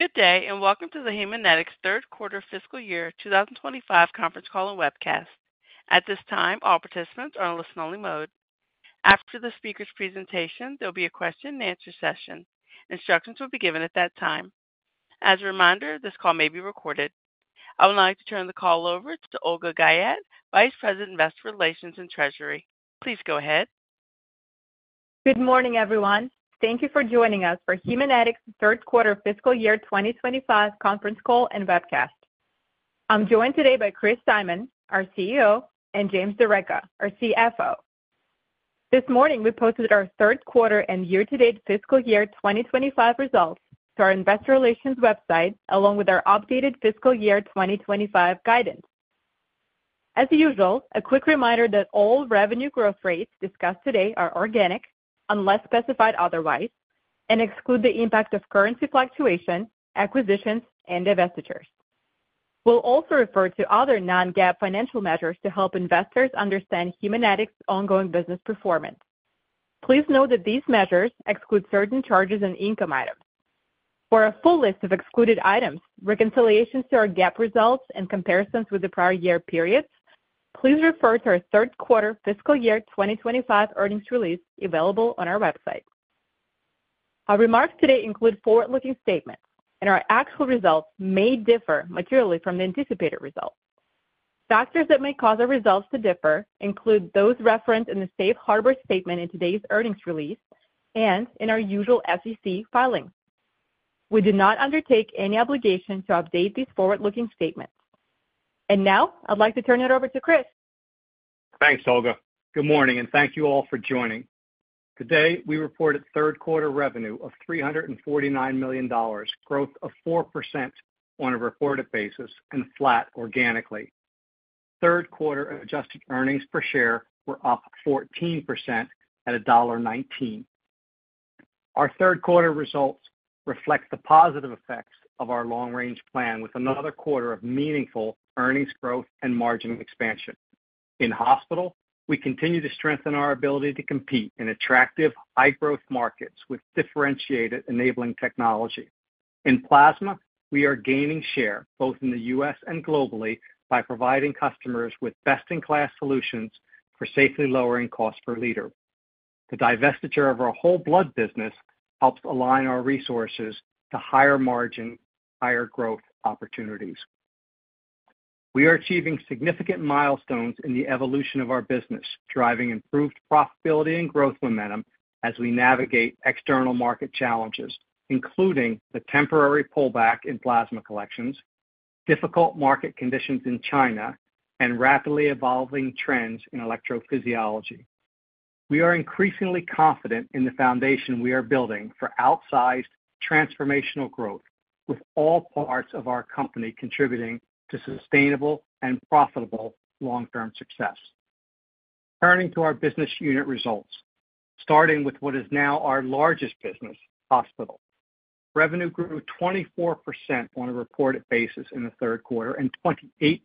Good day, and welcome to the Haemonetics third quarter fiscal year 2025 conference call and webcast. At this time, all participants are in listen-only mode. After the speaker's presentation, there will be a question-and-answer session. Instructions will be given at that time. As a reminder, this call may be recorded. I would like to turn the call over to Olga Guyette, Vice President of Investor Relations and Treasury. Please go ahead. Good morning, everyone. Thank you for joining us for Haemonetics third quarter fiscal year 2025 conference call and webcast. I'm joined today by Chris Simon, our CEO, and James D'Arecca, our CFO. This morning, we posted our third quarter and year-to-date fiscal year 2025 results to our Investor Relations website, along with our updated fiscal year 2025 guidance. As usual, a quick reminder that all revenue growth rates discussed today are organic, unless specified otherwise, and exclude the impact of currency fluctuation, acquisitions, and divestitures. We'll also refer to other non-GAAP financial measures to help investors understand Haemonetics' ongoing business performance. Please note that these measures exclude certain charges and income items. For a full list of excluded items, reconciliations to our GAAP results, and comparisons with the prior year periods, please refer to our third quarter fiscal year 2025 earnings release available on our website. Our remarks today include forward-looking statements, and our actual results may differ materially from the anticipated results. Factors that may cause our results to differ include those referenced in the safe harbor statement in today's earnings release and in our usual SEC filings. We do not undertake any obligation to update these forward-looking statements. Now, I'd like to turn it over to Chris. Thanks, Olga. Good morning, and thank you all for joining. Today, we reported third quarter revenue of $349 million, growth of 4% on a reported basis, and flat organically. Third quarter adjusted earnings per share were up 14% at $1.19. Our third quarter results reflect the positive effects of our long-range plan, with another quarter of meaningful earnings growth and margin expansion. In Hospital, we continue to strengthen our ability to compete in attractive, high-growth markets with differentiated enabling technology. In Plasma, we are gaining share both in the U.S. and globally by providing customers with best-in-class solutions for safely lowering cost per liter. The divestiture of our Whole Blood business helps align our resources to higher margins, higher growth opportunities. We are achieving significant milestones in the evolution of our business, driving improved profitability and growth momentum as we navigate external market challenges, including the temporary pullback in plasma collections, difficult market conditions in China, and rapidly evolving trends in electrophysiology. We are increasingly confident in the foundation we are building for outsized transformational growth, with all parts of our company contributing to sustainable and profitable long-term success. Turning to our business unit results, starting with what is now our largest business, Hospital, revenue grew 24% on a reported basis in the third quarter and 28%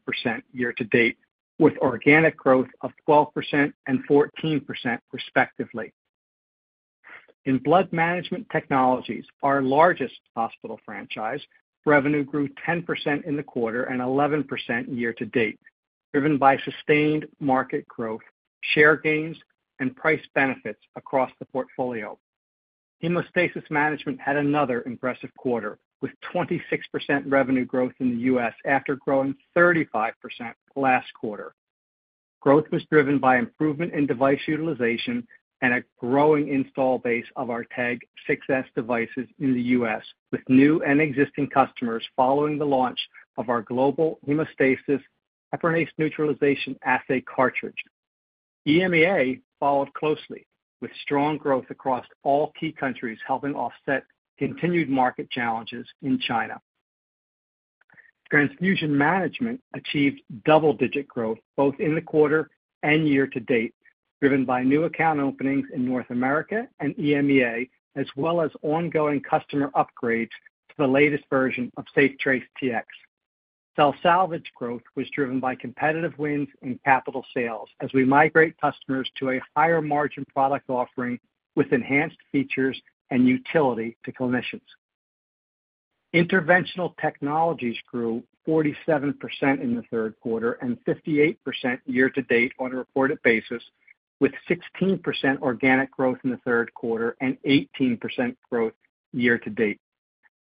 year-to-date, with organic growth of 12% and 14%, respectively. In Blood Management Technologies, our largest Hospital franchise, revenue grew 10% in the quarter and 11% year-to-date, driven by sustained market growth, share gains, and price benefits across the portfolio. Hemostasis Management had another impressive quarter, with 26% revenue growth in the U.S. after growing 35% last quarter. Growth was driven by improvement in device utilization and a growing install base of our TEG 6s devices in the U.S., with new and existing customers following the launch of our global hemostasis heparinase neutralization assay cartridge. EMEA followed closely, with strong growth across all key countries, helping offset continued market challenges in China. Transfusion Management achieved double-digit growth both in the quarter and year-to-date, driven by new account openings in North America and EMEA, as well as ongoing customer upgrades to the latest version of SafeTrace Tx. Cell salvage growth was driven by competitive wins in capital sales as we migrate customers to a higher-margin product offering with enhanced features and utility to clinicians. Interventional Technologies grew 47% in the third quarter and 58% year-to-date on a reported basis, with 16% organic growth in the third quarter and 18% growth year-to-date.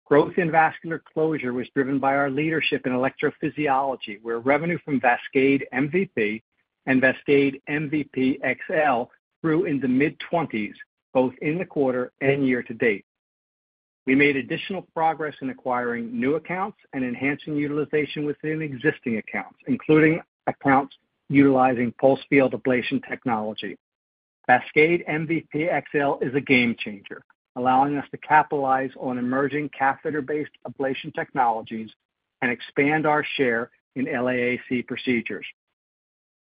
Growth in Vascular Closure was driven by our leadership in electrophysiology, where revenue from VASCADE MVP and VASCADE MVP XL grew in the mid-20s both in the quarter and year-to-date. We made additional progress in acquiring new accounts and enhancing utilization within existing accounts, including accounts utilizing pulsed field ablation technology. VASCADE MVP XL is a game changer, allowing us to capitalize on emerging catheter-based ablation technologies and expand our share in LAAC procedures.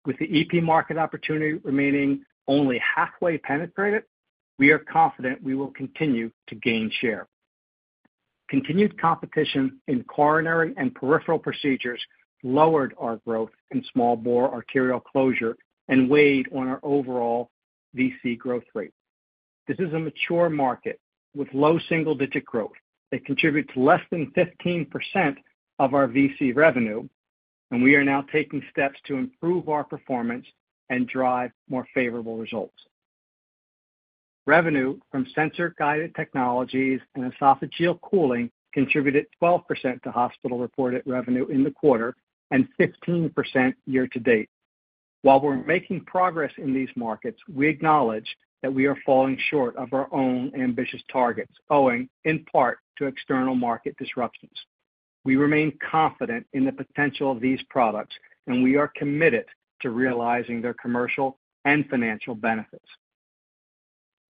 With the EP market opportunity remaining only halfway penetrated, we are confident we will continue to gain share. Continued competition in coronary and peripheral procedures lowered our growth in small bore arterial closure and weighed on our overall VC growth rate. This is a mature market with low single-digit growth that contributes less than 15% of our VC revenue, and we are now taking steps to improve our performance and drive more favorable results. Revenue from sensor-guided technologies and esophageal cooling contributed 12% to hospital reported revenue in the quarter and 15% year-to-date. While we're making progress in these markets, we acknowledge that we are falling short of our own ambitious targets, owing in part to external market disruptions. We remain confident in the potential of these products, and we are committed to realizing their commercial and financial benefits.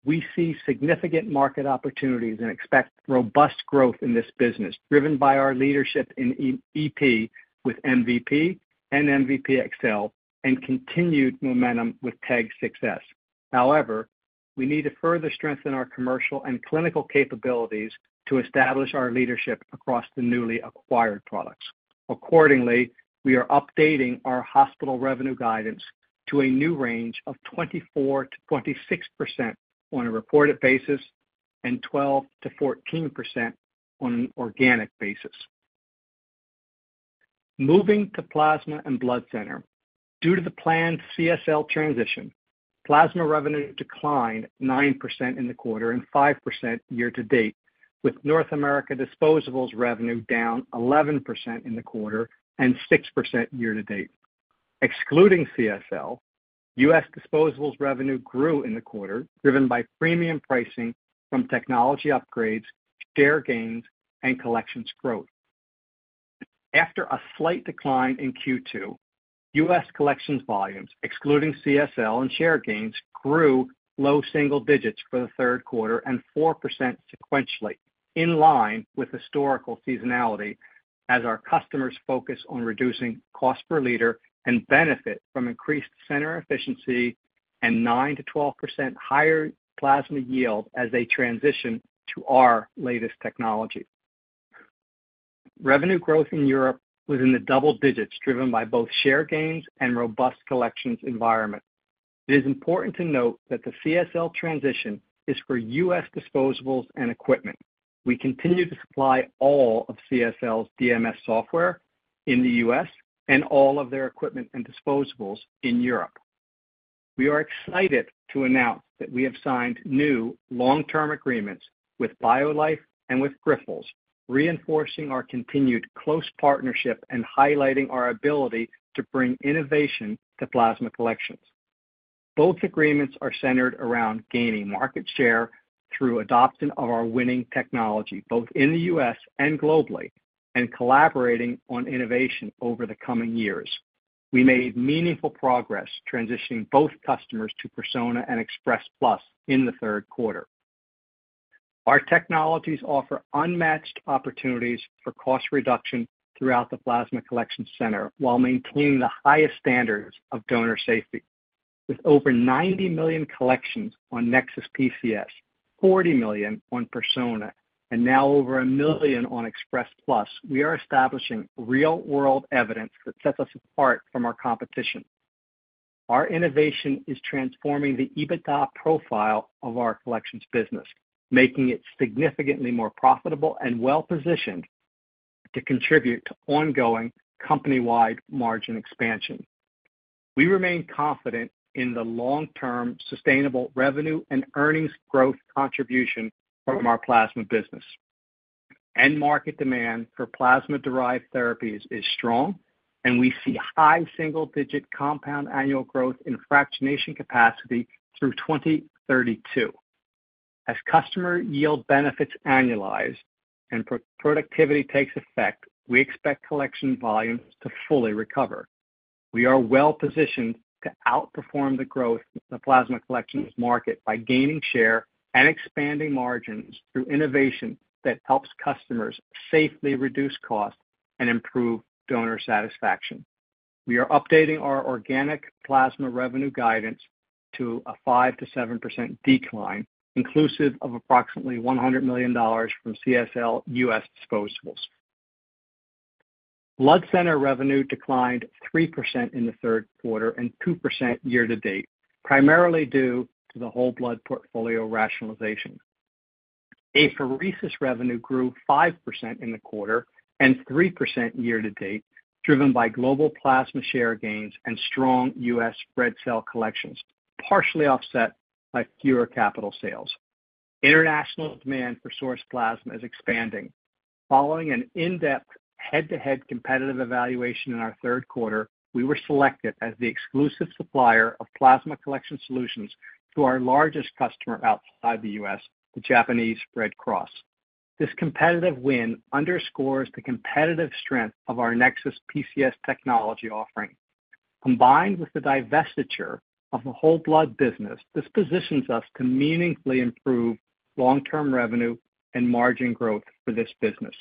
We see significant market opportunities and expect robust growth in this business, driven by our leadership in EP with MVP and MVP XL and continued momentum with TEG 6s. However, we need to further strengthen our commercial and clinical capabilities to establish our leadership across the newly acquired products. Accordingly, we are updating our hospital revenue guidance to a new range of 24%-26% on a reported basis and 12%-14% on an organic basis. Moving to plasma and Blood Center, due to the planned CSL transition, plasma revenue declined 9% in the quarter and 5% year-to-date, with North America disposables revenue down 11% in the quarter and 6% year-to-date. Excluding CSL, U.S. disposables revenue grew in the quarter, driven by premium pricing from technology upgrades, share gains, and collections growth. After a slight decline in Q2, U.S. collections volumes, excluding CSL and share gains, grew low single digits for the third quarter and 4% sequentially, in line with historical seasonality as our customers focus on reducing cost per liter and benefit from increased center efficiency and 9%-12% higher plasma yield as they transition to our latest technology. Revenue growth in Europe was in the double digits, driven by both share gains and robust collections environment. It is important to note that the CSL transition is for U.S. disposables and equipment. We continue to supply all of CSL's DMS software in the U.S. and all of their equipment and disposables in Europe. We are excited to announce that we have signed new long-term agreements with BioLife and with Grifols, reinforcing our continued close partnership and highlighting our ability to bring innovation to plasma collections. Both agreements are centered around gaining market share through adoption of our winning technology, both in the U.S. and globally, and collaborating on innovation over the coming years. We made meaningful progress transitioning both customers to Persona and Express Plus in the third quarter. Our technologies offer unmatched opportunities for cost reduction throughout the plasma collection center while maintaining the highest standards of donor safety. With over 90 million collections on NexSys PCS, 40 million on Persona, and now over a million on Express Plus, we are establishing real-world evidence that sets us apart from our competition. Our innovation is transforming the EBITDA profile of our collections business, making it significantly more profitable and well-positioned to contribute to ongoing company-wide margin expansion. We remain confident in the long-term sustainable revenue and earnings growth contribution from our plasma business. End-market demand for plasma-derived therapies is strong, and we see high single-digit compound annual growth in fractionation capacity through 2032. As customer yield benefits annualize and productivity takes effect, we expect collection volumes to fully recover. We are well-positioned to outperform the growth in the plasma collections market by gaining share and expanding margins through innovation that helps customers safely reduce costs and improve donor satisfaction. We are updating our organic plasma revenue guidance to a 5%-7% decline, inclusive of approximately $100 million from CSL U.S. disposables. Blood center revenue declined 3% in the third quarter and 2% year-to-date, primarily due to the whole blood portfolio rationalization. Apheresis revenue grew 5% in the quarter and 3% year-to-date, driven by global plasma share gains and strong U.S. red cell collections, partially offset by fewer capital sales. International demand for source plasma is expanding. Following an in-depth head-to-head competitive evaluation in our third quarter, we were selected as the exclusive supplier of plasma collection solutions to our largest customer outside the U.S., the Japanese Red Cross. This competitive win underscores the competitive strength of our NexSys PCS technology offering. Combined with the divestiture of the whole blood business, this positions us to meaningfully improve long-term revenue and margin growth for this business.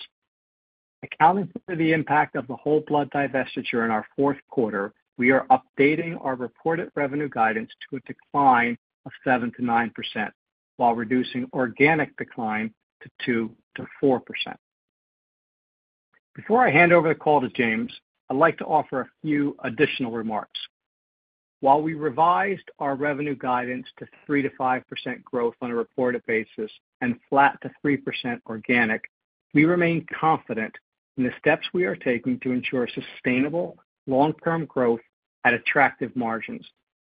Accounting for the impact of the whole blood divestiture in our fourth quarter, we are updating our reported revenue guidance to a decline of 7%-9%, while reducing organic decline to 2%-4%. Before I hand over the call to James, I'd like to offer a few additional remarks. While we revised our revenue guidance to 3%-5% growth on a reported basis and flat to 3% organic, we remain confident in the steps we are taking to ensure sustainable long-term growth at attractive margins.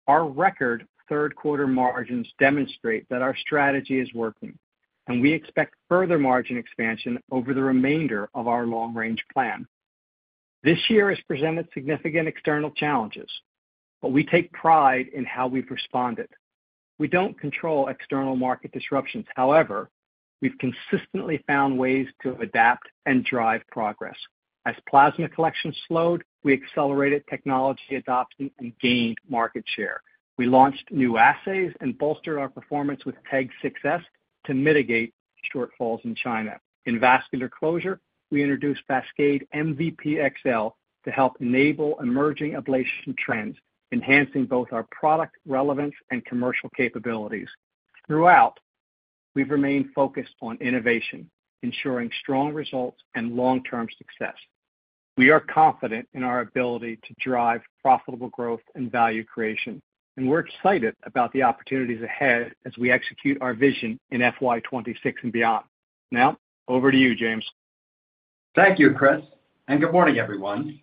Our record third-quarter margins demonstrate that our strategy is working, and we expect further margin expansion over the remainder of our long-range plan. This year has presented significant external challenges, but we take pride in how we've responded. We don't control external market disruptions. However, we've consistently found ways to adapt and drive progress. As plasma collection slowed, we accelerated technology adoption and gained market share. We launched new assays and bolstered our performance with TEG 6s to mitigate shortfalls in China. In vascular closure, we introduced VASCADE MVP XL to help enable emerging ablation trends, enhancing both our product relevance and commercial capabilities. Throughout, we've remained focused on innovation, ensuring strong results and long-term success. We are confident in our ability to drive profitable growth and value creation, and we're excited about the opportunities ahead as we execute our vision in FY 2026 and beyond. Now, over to you, James. Thank you, Chris, and good morning, everyone.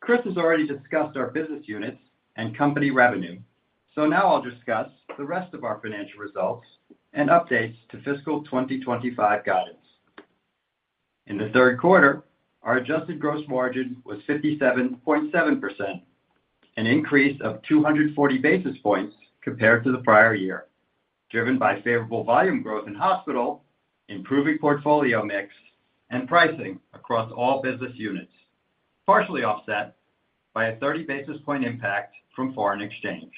Chris has already discussed our business units and company revenue, so now I'll discuss the rest of our financial results and updates to fiscal 2025 guidance. In the third quarter, our adjusted gross margin was 57.7%, an increase of 240 basis points compared to the prior year, driven by favorable volume growth in hospital, improving portfolio mix, and pricing across all business units, partially offset by a 30 basis point impact from foreign exchange.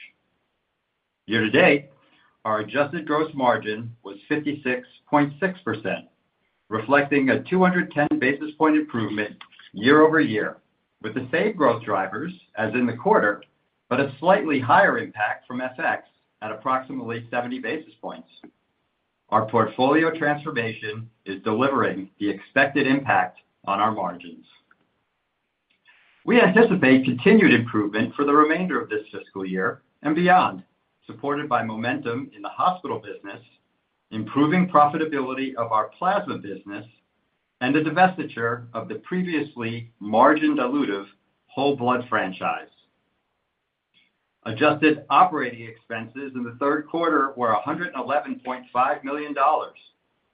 Year-to-date, our adjusted gross margin was 56.6%, reflecting a 210 basis point improvement year-over-year, with the same growth drivers as in the quarter, but a slightly higher impact from FX at approximately 70 basis points. Our portfolio transformation is delivering the expected impact on our margins. We anticipate continued improvement for the remainder of this fiscal year and beyond, supported by momentum in the hospital business, improving profitability of our plasma business, and the divestiture of the previously margin-dilutive whole blood franchise. Adjusted operating expenses in the third quarter were $111.5 million,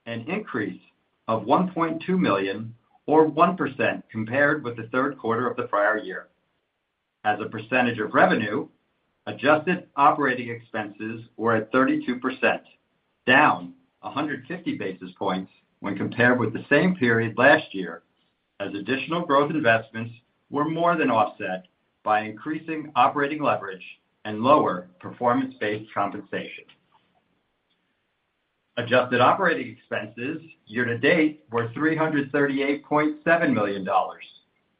an increase of $1.2 million, or 1% compared with the third quarter of the prior year. As a percentage of revenue, adjusted operating expenses were at 32%, down 150 basis points when compared with the same period last year, as additional growth investments were more than offset by increasing operating leverage and lower performance-based compensation. Adjusted operating expenses year-to-date were $338.7 million,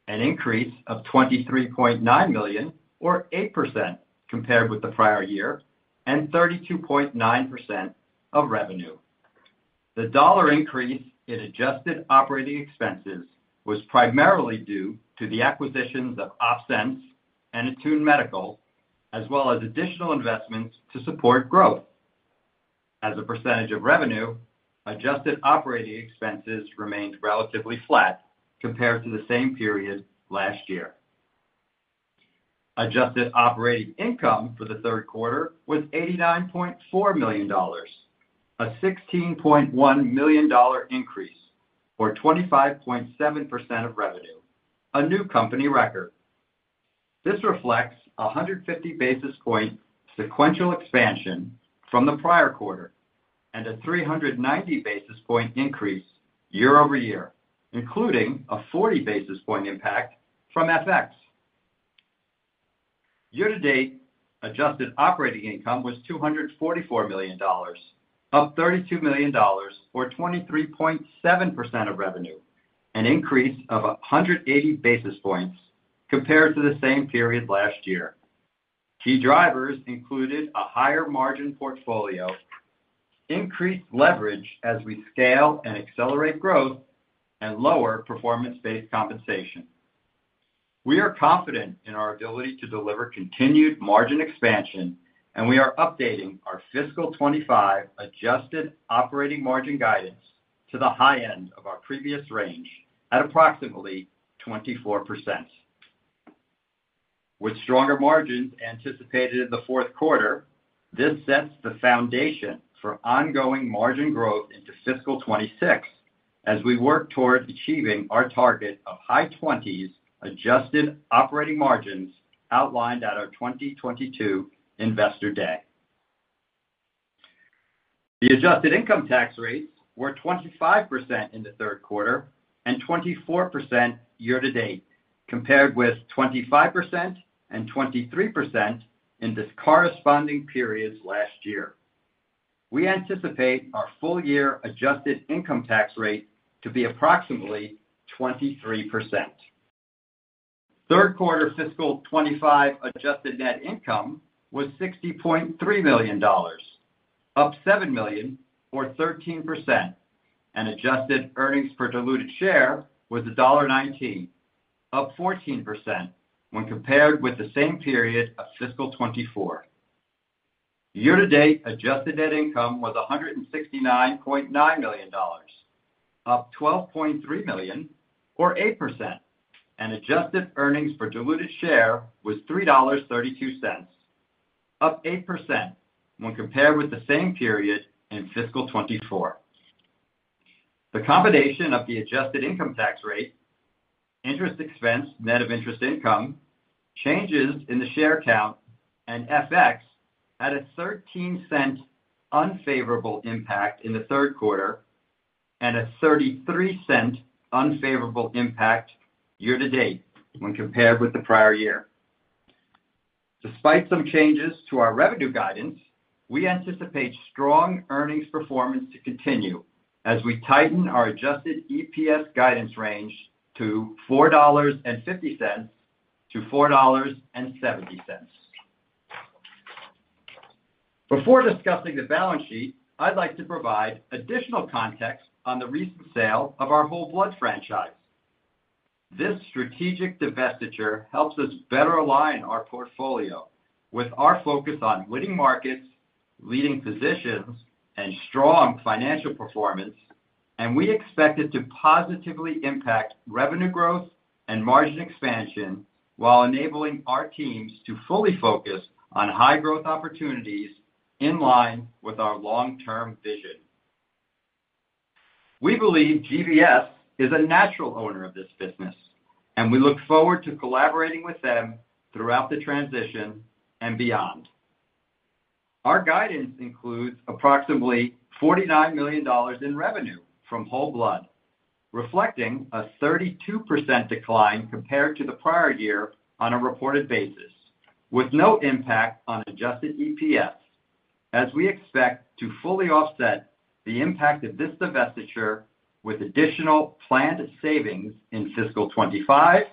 an increase of $23.9 million, or 8% compared with the prior year, and 32.9% of revenue. The dollar increase in adjusted operating expenses was primarily due to the acquisitions of OpSens and Attune Medical, as well as additional investments to support growth. As a percentage of revenue, adjusted operating expenses remained relatively flat compared to the same period last year. Adjusted operating income for the third quarter was $89.4 million, a $16.1 million increase, or 25.7% of revenue, a new company record. This reflects a 150 basis point sequential expansion from the prior quarter and a 390 basis point increase year-over-year, including a 40 basis point impact from FX. Year-to-date, adjusted operating income was $244 million, up $32 million, or 23.7% of revenue, an increase of 180 basis points compared to the same period last year. Key drivers included a higher margin portfolio, increased leverage as we scale and accelerate growth, and lower performance-based compensation. We are confident in our ability to deliver continued margin expansion, and we are updating our fiscal 2025 adjusted operating margin guidance to the high end of our previous range at approximately 24%. With stronger margins anticipated in the fourth quarter, this sets the foundation for ongoing margin growth into fiscal 2026 as we work toward achieving our target of high 20s adjusted operating margins outlined at our 2022 Investor Day. The adjusted income tax rates were 25% in the third quarter and 24% year-to-date, compared with 25% and 23% in the corresponding periods last year. We anticipate our full-year adjusted income tax rate to be approximately 23%. Third quarter fiscal 2025 adjusted net income was $60.3 million, up $7 million, or 13%, and adjusted earnings per diluted share was $1.19, up 14% when compared with the same period of fiscal 2024. Year-to-date adjusted net income was $169.9 million, up $12.3 million, or 8%, and adjusted earnings per diluted share was $3.32, up 8% when compared with the same period in fiscal 2024. The combination of the adjusted income tax rate, interest expense, net of interest income, changes in the share count, and FX had a 13% unfavorable impact in the third quarter and a 33% unfavorable impact year-to-date when compared with the prior year. Despite some changes to our revenue guidance, we anticipate strong earnings performance to continue as we tighten our adjusted EPS guidance range to $4.50-$4.70. Before discussing the balance sheet, I'd like to provide additional context on the recent sale of our whole blood franchise. This strategic divestiture helps us better align our portfolio with our focus on winning markets, leading positions, and strong financial performance, and we expect it to positively impact revenue growth and margin expansion while enabling our teams to fully focus on high-growth opportunities in line with our long-term vision. We believe GVS is a natural owner of this business, and we look forward to collaborating with them throughout the transition and beyond. Our guidance includes approximately $49 million in revenue from whole blood, reflecting a 32% decline compared to the prior year on a reported basis, with no impact on adjusted EPS, as we expect to fully offset the impact of this divestiture with additional planned savings in fiscal 2025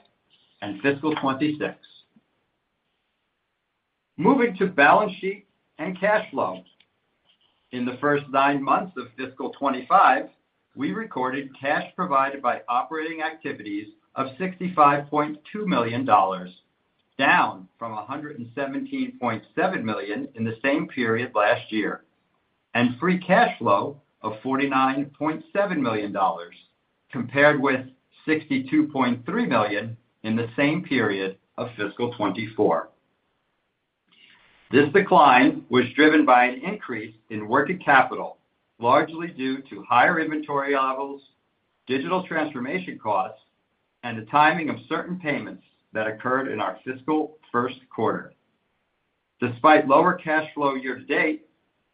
and fiscal 2026. Moving to balance sheet and cash flow. In the first nine months of fiscal 2025, we recorded cash provided by operating activities of $65.2 million, down from $117.7 million in the same period last year, and free cash flow of $49.7 million compared with $62.3 million in the same period of fiscal 2024. This decline was driven by an increase in working capital, largely due to higher inventory levels, digital transformation costs, and the timing of certain payments that occurred in our fiscal first quarter. Despite lower cash flow year-to-date,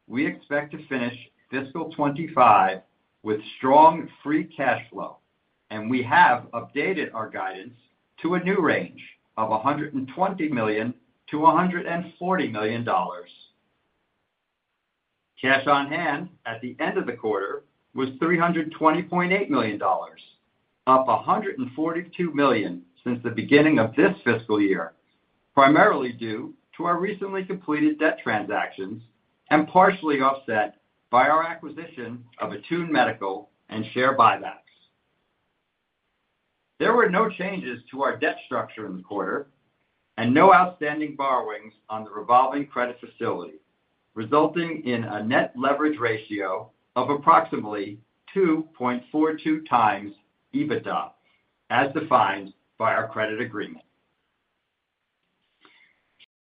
we expect to finish fiscal 2025 with strong free cash flow, and we have updated our guidance to a new range of $120 million-$140 million. Cash on hand at the end of the quarter was $320.8 million, up $142 million since the beginning of this fiscal year, primarily due to our recently completed debt transactions and partially offset by our acquisition of Attune Medical and share buybacks. There were no changes to our debt structure in the quarter and no outstanding borrowings on the revolving credit facility, resulting in a net leverage ratio of approximately 2.42x EBITDA, as defined by our credit agreement.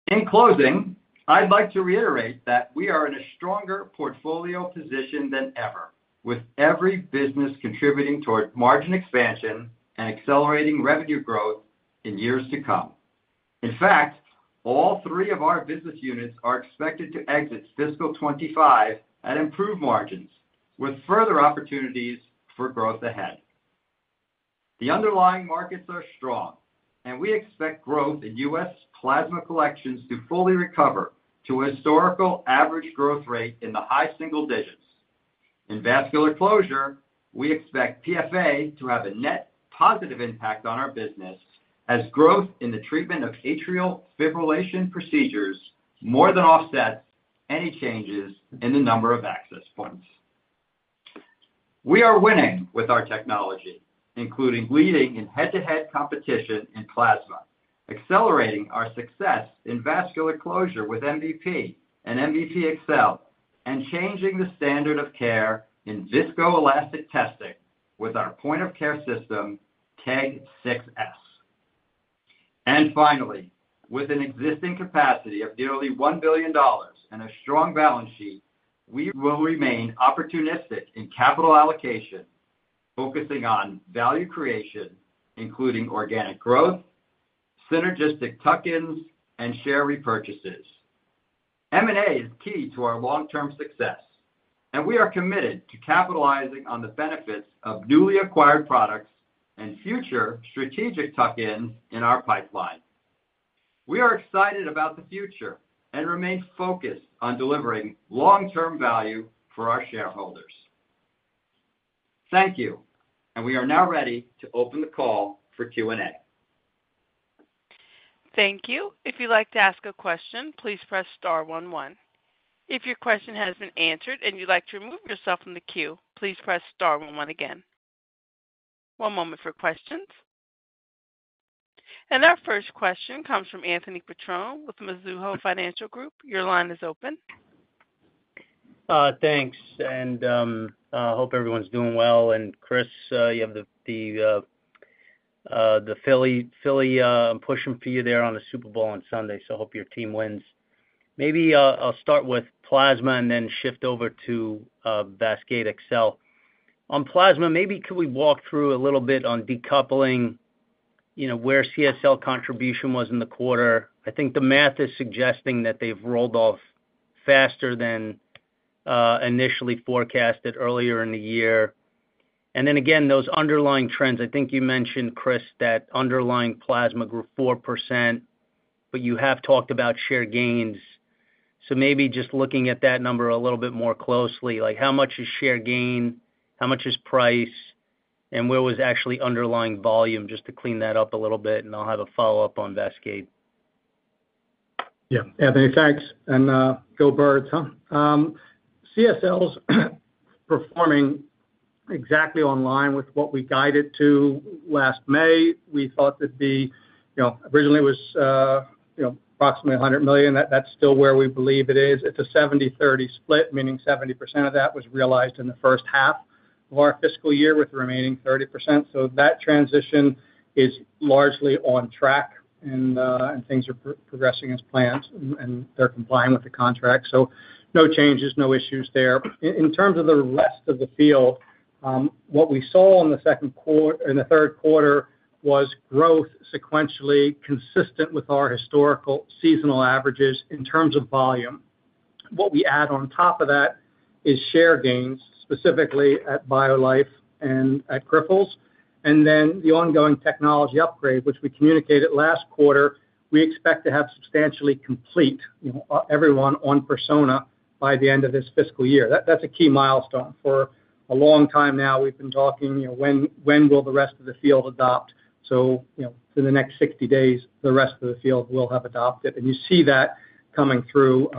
In closing, I'd like to reiterate that we are in a stronger portfolio position than ever, with every business contributing toward margin expansion and accelerating revenue growth in years to come. In fact, all three of our business units are expected to exit fiscal 2025 at improved margins, with further opportunities for growth ahead. The underlying markets are strong, and we expect growth in U.S. plasma collections to fully recover to a historical average growth rate in the high single digits. In vascular closure, we expect PFA to have a net positive impact on our business as growth in the treatment of atrial fibrillation procedures more than offsets any changes in the number of access points. We are winning with our technology, including leading in head-to-head competition in plasma, accelerating our success in vascular closure with MVP and MVP XL, and changing the standard of care in viscoelastic testing with our point-of-care system TEG 6s. And finally, with an existing capacity of nearly $1 billion and a strong balance sheet, we will remain opportunistic in capital allocation, focusing on value creation, including organic growth, synergistic tuck-ins, and share repurchases. M&A is key to our long-term success, and we are committed to capitalizing on the benefits of newly acquired products and future strategic tuck-ins in our pipeline. We are excited about the future and remain focused on delivering long-term value for our shareholders. Thank you, and we are now ready to open the call for Q&A. Thank you. If you'd like to ask a question, please press star one one. If your question has been answered and you'd like to remove yourself from the queue, please press star one one again. One moment for questions. And our first question comes from Anthony Petrone with Mizuho Financial Group. Your line is open. Thanks, and I hope everyone's doing well. And Chris, you have the Philly pushing for you there on the Super Bowl on Sunday, so I hope your team wins. Maybe I'll start with plasma and then shift over to VASCADE XL. On plasma, maybe could we walk through a little bit on decoupling, where CSL contribution was in the quarter? I think the math is suggesting that they've rolled off faster than initially forecasted earlier in the year. And then again, those underlying trends, I think you mentioned, Chris, that underlying plasma grew 4%, but you have talked about share gains. So maybe just looking at that number a little bit more closely, how much is share gain, how much is price, and where was actually underlying volume, just to clean that up a little bit, and I'll have a follow-up on VASCADE. Yeah, Anthony, thanks and Go Birds. CSL's performing exactly on line with what we guided to last May. We thought that the original was approximately $100 million. That's still where we believe it is. It's a 70/30 split, meaning 70% of that was realized in the first half of our fiscal year with the remaining 30%. So that transition is largely on track, and things are progressing as planned, and they're complying with the contract. So no changes, no issues there. In terms of the rest of the field, what we saw in the third quarter was growth sequentially consistent with our historical seasonal averages in terms of volume. What we add on top of that is share gains, specifically at BioLife and at Grifols, and then the ongoing technology upgrade, which we communicated last quarter, we expect to have substantially complete everyone on Persona by the end of this fiscal year. That's a key milestone. For a long time now, we've been talking, when will the rest of the field adopt? So in the next 60 days, the rest of the field will have adopted. And you see that coming through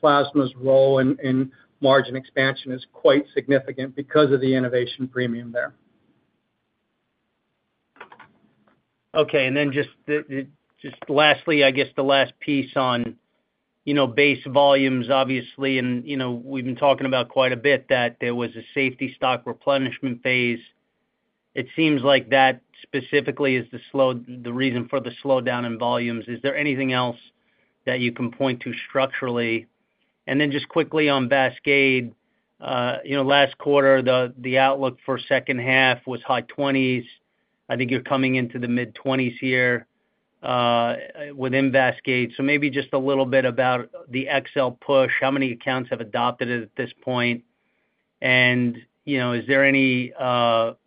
plasma's role in margin expansion is quite significant because of the innovation premium there. Okay. And then just lastly, I guess the last piece on base volumes, obviously, and we've been talking about quite a bit that there was a safety stock replenishment phase. It seems like that specifically is the reason for the slowdown in volumes. Is there anything else that you can point to structurally? And then just quickly on VASCADE, last quarter, the outlook for second half was high 20s%. I think you're coming into the mid-20s% here within VASCADE. So maybe just a little bit about the XL push, how many accounts have adopted it at this point? And is there any- Can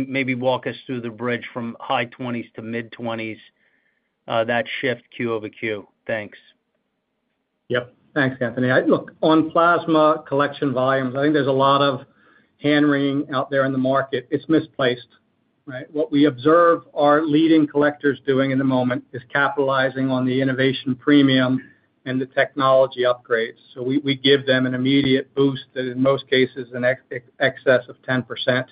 you- maybe walk us through the bridge from high 20s% to mid-20s%? That shift Q over Q. Thanks. Yep. Thanks, Anthony. Look, on plasma collection volumes, I think there's a lot of hand wringing out there in the market. It's misplaced. What we observe our leading collectors doing in the moment is capitalizing on the innovation premium and the technology upgrades. So we give them an immediate boost that, in most cases, is in excess of 10%.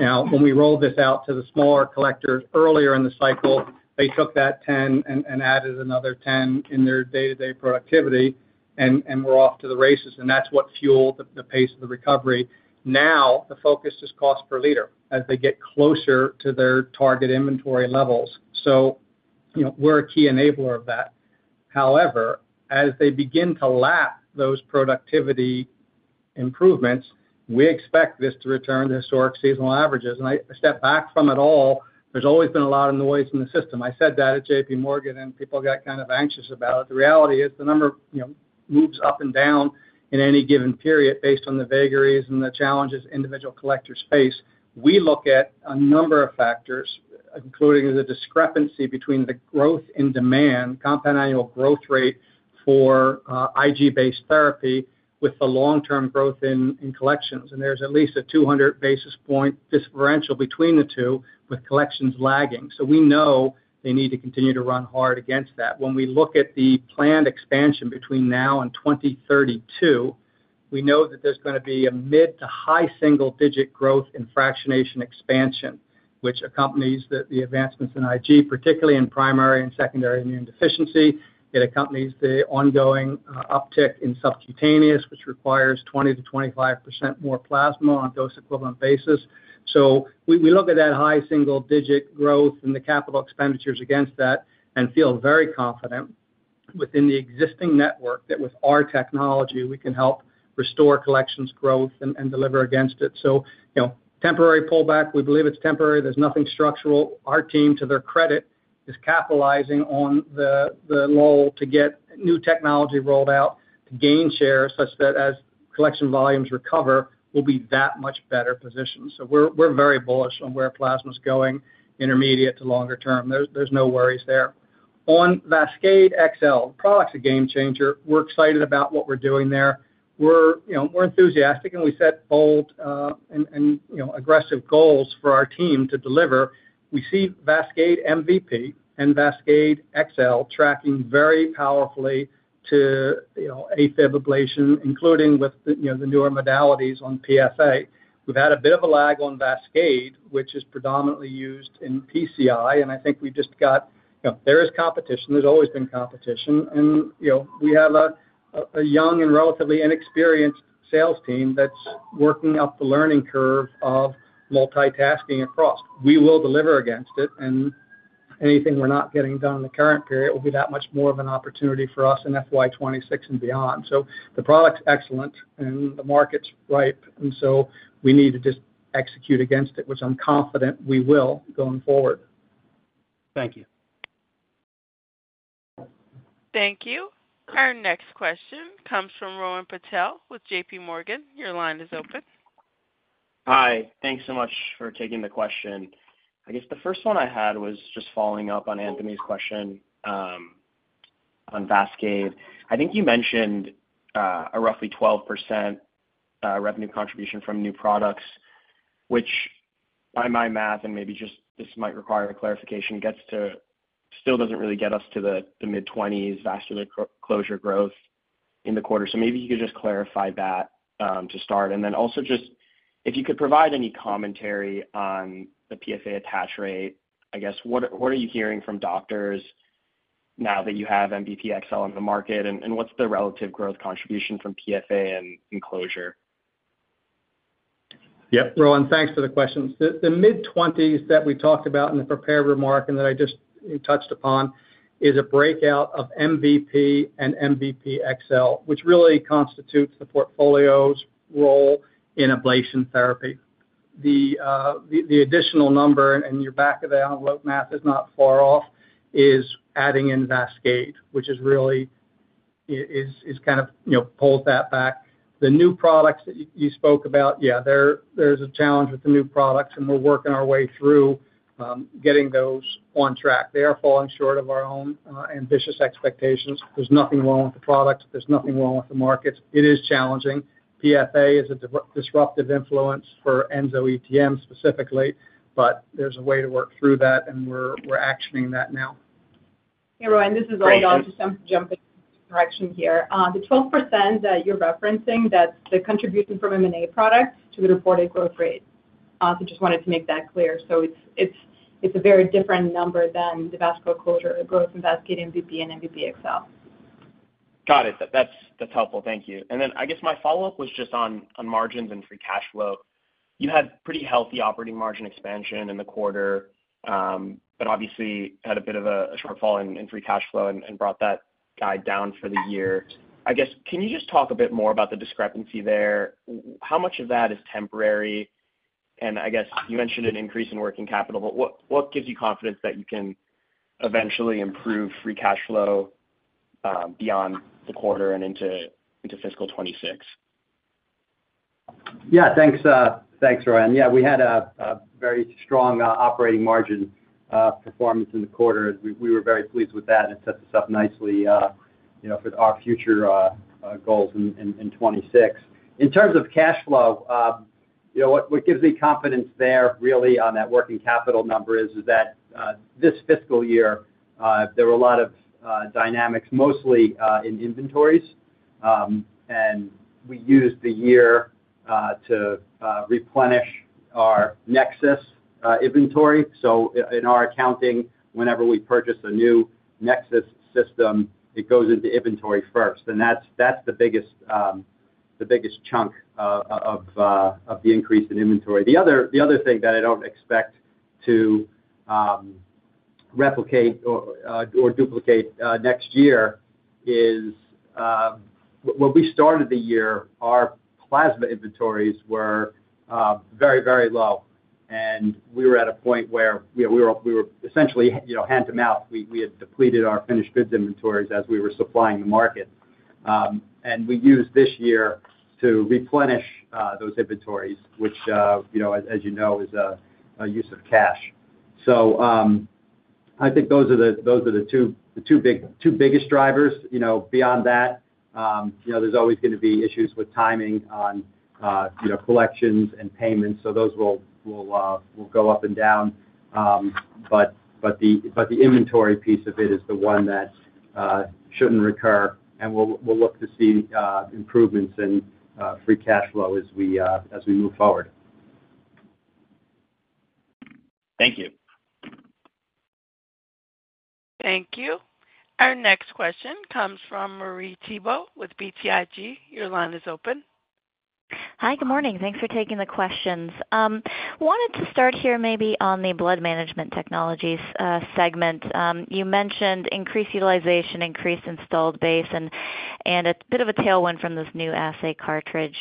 Now, when we rolled this out to the smaller collectors earlier in the cycle, they took that 10 and added another 10 in their day-to-day productivity, and we're off to the races. And that's what fueled the pace of the recovery. Now, the focus is cost per liter as they get closer to their target inventory levels. So we're a key enabler of that. However, as they begin to lap those productivity improvements, we expect this to return to historic seasonal averages. I step back from it all. There's always been a lot of noise in the system. I said that at JPMorgan, and people got kind of anxious about it. The reality is the number moves up and down in any given period based on the vagaries and the challenges individual collectors face. We look at a number of factors, including the discrepancy between the growth in demand, compound annual growth rate for IG-based therapy, with the long-term growth in collections. There's at least a 200 basis points differential between the two, with collections lagging. We know they need to continue to run hard against that. When we look at the planned expansion between now and 2032, we know that there's going to be a mid to high single-digit growth in fractionation expansion, which accompanies the advancements in IG, particularly in primary and secondary immune deficiency. It accompanies the ongoing uptick in subcutaneous, which requires 20%-25% more plasma on a dose-equivalent basis. So we look at that high single-digit growth and the capital expenditures against that and feel very confident within the existing network that, with our technology, we can help restore collections growth and deliver against it. So temporary pullback, we believe it's temporary. There's nothing structural. Our team, to their credit, is capitalizing on the lull to get new technology rolled out to gain shares such that, as collection volumes recover, we'll be that much better positioned. So we're very bullish on where plasma's going intermediate to longer term. There's no worries there. On VASCADE XL, the product's a game changer. We're excited about what we're doing there. We're enthusiastic, and we set bold and aggressive goals for our team to deliver. We see VASCADE MVP and VASCADE MVP XL tracking very powerfully to AFib ablation, including with the newer modalities on PFA. We've had a bit of a lag on VASCADE, which is predominantly used in PCI, and I think we just got. There is competition. There's always been competition. And we have a young and relatively inexperienced sales team that's working up the learning curve of multitasking across. We will deliver against it, and anything we're not getting done in the current period will be that much more of an opportunity for us in FY2026 and beyond. So the product's excellent, and the market's ripe, and so we need to just execute against it, which I'm confident we will going forward. Thank you. Thank you. Our next question comes from Rohan Patel with JPMorgan. Your line is open. Hi. Thanks so much for taking the question. I guess the first one I had was just following up on Anthony's question on Vascade. I think you mentioned a roughly 12% revenue contribution from new products, which, by my math, and maybe just this might require clarification, still doesn't really get us to the mid-20s vascular closure growth in the quarter. So maybe you could just clarify that to start. And then also just if you could provide any commentary on the PFA attach rate. I guess, what are you hearing from doctors now that you have MVP XL on the market, and what's the relative growth contribution from PFA and closure? Yep. Rohan, thanks for the questions. The mid-20s that we talked about in the prepared remarks and that I just touched upon is a breakout of MVP and MVP XL, which really constitutes the portfolio's role in ablation therapy. The additional number, and your back-of-the-envelope math is not far off, is adding in VASCADE, which really kind of pulls that back. The new products that you spoke about, yeah, there's a challenge with the new products, and we're working our way through getting those on track. They are falling short of our own ambitious expectations. There's nothing wrong with the products. There's nothing wrong with the markets. It is challenging. PFA is a disruptive influence for ensoETM specifically, but there's a way to work through that, and we're actioning that now. Hey, Rohan, this is Olga just jumping in for correction here. The 12% that you're referencing, that's the contribution from M&A products to the reported growth rate. So just wanted to make that clear. So it's a very different number than the vascular closure growth in VASCADE MVP and MVP XL. Got it. That's helpful. Thank you. And then I guess my follow-up was just on margins and free cash flow. You had pretty healthy operating margin expansion in the quarter, but obviously had a bit of a shortfall in free cash flow and brought that guide down for the year. I guess, can you just talk a bit more about the discrepancy there? How much of that is temporary? And I guess you mentioned an increase in working capital, but what gives you confidence that you can eventually improve free cash flow beyond the quarter and into fiscal 2026? Yeah, thanks, Rohan. Yeah, we had a very strong operating margin performance in the quarter. We were very pleased with that, and it sets us up nicely for our future goals in 2026. In terms of cash flow, what gives me confidence there really on that working capital number is that this fiscal year, there were a lot of dynamics, mostly in inventories. And we used the year to replenish our NexSys inventory. So in our accounting, whenever we purchase a new NexSys system, it goes into inventory first. And that's the biggest chunk of the increase in inventory. The other thing that I don't expect to replicate or duplicate next year is, when we started the year, our plasma inventories were very, very low. And we were at a point where we were essentially hand-to-mouth. We had depleted our finished goods inventories as we were supplying the market. And we used this year to replenish those inventories, which, as you know, is a use of cash. So I think those are the two biggest drivers. Beyond that, there's always going to be issues with timing on collections and payments. So those will go up and down. But the inventory piece of it is the one that shouldn't recur. And we'll look to see improvements in free cash flow as we move forward. Thank you. Thank you. Our next question comes from Marie Thibault with BTIG. Your line is open. Hi, good morning. Thanks for taking the questions. Wanted to start here maybe on the blood management technologies segment. You mentioned increased utilization, increased installed base, and a bit of a tailwind from this new assay cartridge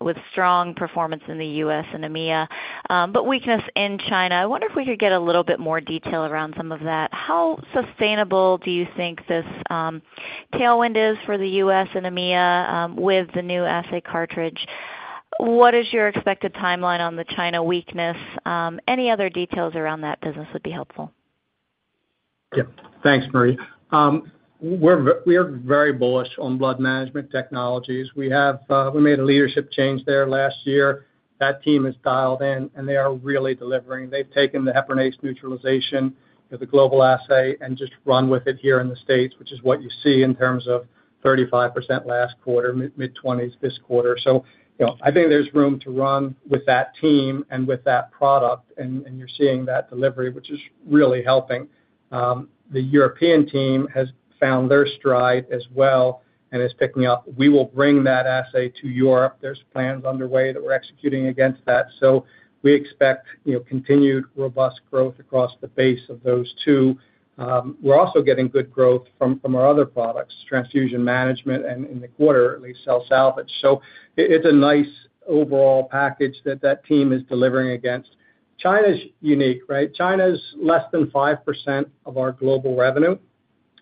with strong performance in the U.S. and EMEA, but weakness in China. I wonder if we could get a little bit more detail around some of that. How sustainable do you think this tailwind is for the U.S. and EMEA with the new assay cartridge? What is your expected timeline on the China weakness? Any other details around that business would be helpful. Yeah. Thanks, Marie. We are very bullish on blood management technologies. We made a leadership change there last year. That team has dialed in, and they are really delivering. They've taken the heparinase neutralization, the global assay, and just run with it here in the States, which is what you see in terms of 35% last quarter, mid-20s% this quarter. So I think there's room to run with that team and with that product. And you're seeing that delivery, which is really helping. The European team has found their stride as well and is picking up. We will bring that assay to Europe. There's plans underway that we're executing against that. So we expect continued robust growth across the base of those two. We're also getting good growth from our other products, transfusion management, and in the quarter, at least, cell salvage, so it's a nice overall package that that team is delivering against. China's unique, right? China's less than 5% of our global revenue.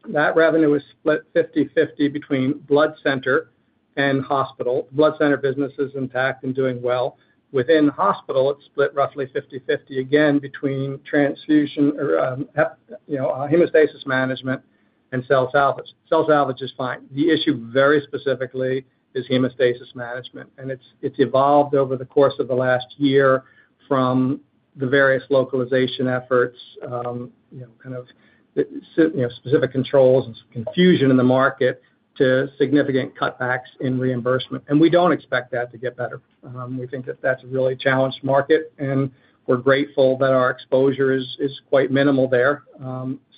That revenue is split 50/50 between blood center and hospital. The blood center business is intact and doing well. Within hospital, it's split roughly 50/50 again between transfusion or hemostasis management and cell salvage. Cell salvage is fine. The issue very specifically is hemostasis management, and it's evolved over the course of the last year from the various localization efforts, kind of specific controls and some confusion in the market to significant cutbacks in reimbursement, and we don't expect that to get better. We think that that's a really challenged market, and we're grateful that our exposure is quite minimal there.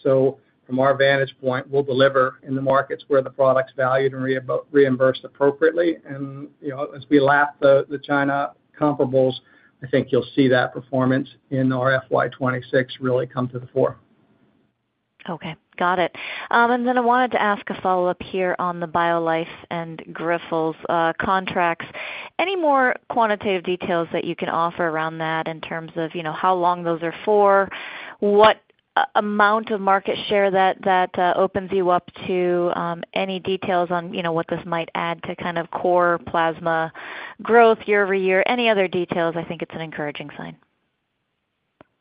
So from our vantage point, we'll deliver in the markets where the product's valued and reimbursed appropriately. And as we lap the China comparables, I think you'll see that performance in our FY2026 really come to the fore. Okay. Got it. And then I wanted to ask a follow-up here on the BioLife and Grifols' contracts. Any more quantitative details that you can offer around that in terms of how long those are for, what amount of market share that opens you up to, any details on what this might add to kind of core plasma growth year-over-year, any other details? I think it's an encouraging sign.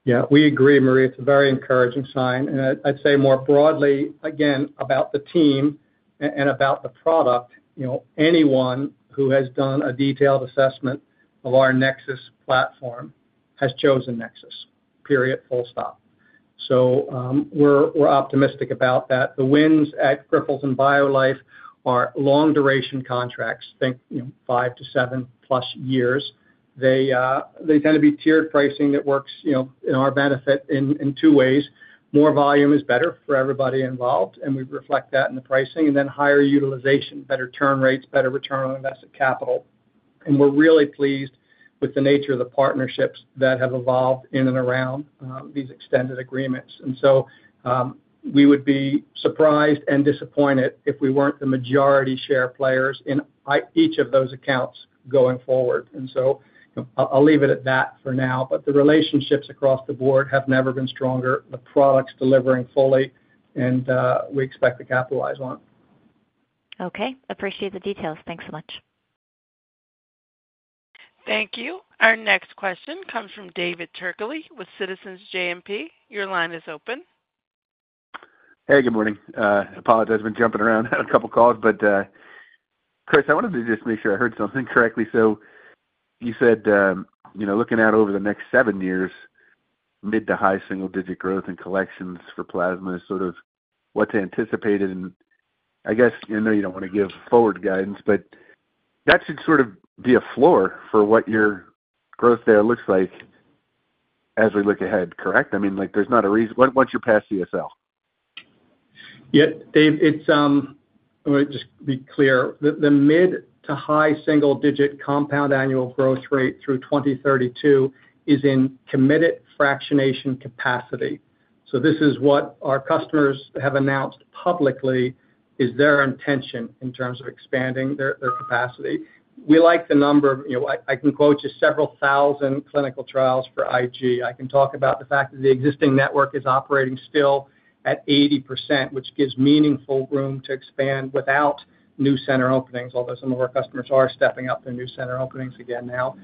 Yeah, we agree, Marie. It's a very encouraging sign. And I'd say more broadly, again, about the team and about the product, anyone who has done a detailed assessment of our NexSys platform has chosen NexSys. Period. Full stop. So we're optimistic about that. The wins at Grifols and BioLife are long-duration contracts, think five to seven-plus years. They tend to be tiered pricing that works in our benefit in two ways. More volume is better for everybody involved, and we reflect that in the pricing. And then higher utilization, better turn rates, better return on invested capital. And we're really pleased with the nature of the partnerships that have evolved in and around these extended agreements. And so we would be surprised and disappointed if we weren't the majority share players in each of those accounts going forward. And so I'll leave it at that for now. But the relationships across the board have never been stronger, the products delivering fully, and we expect to capitalize on it. Okay. Appreciate the details. Thanks so much. Thank you. Our next question comes from David Turkaly with Citizens JMP. Your line is open. Hey, good morning. Apologies. I've been jumping around on a couple of calls. But Chris, I wanted to just make sure I heard something correctly. So you said looking out over the next seven years, mid- to high-single-digit growth in collections for plasma is sort of what's anticipated. And I guess I know you don't want to give forward guidance, but that should sort of be a floor for what your growth there looks like as we look ahead, correct? I mean, there's not a reason once you're past CSL. Yep. Dave, just to be clear, the mid- to high-single-digit compound annual growth rate through 2032 is in committed fractionation capacity. So this is what our customers have announced publicly is their intention in terms of expanding their capacity. We like the number. I can quote you several thousand clinical trials for IG. I can talk about the fact that the existing network is operating still at 80%, which gives meaningful room to expand without new center openings, although some of our customers are stepping up their new center openings again now.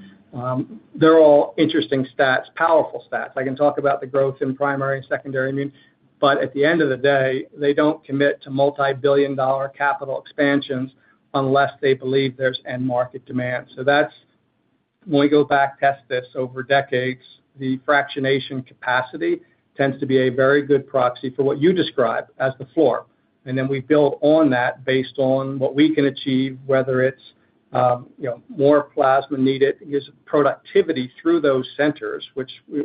They're all interesting stats, powerful stats. I can talk about the growth in primary and secondary immune. But at the end of the day, they don't commit to multi-billion dollar capital expansions unless they believe there's end market demand. So when we go back, test this over decades, the fractionation capacity tends to be a very good proxy for what you describe as the floor. And then we build on that based on what we can achieve, whether it's more plasma needed is productivity through those centers,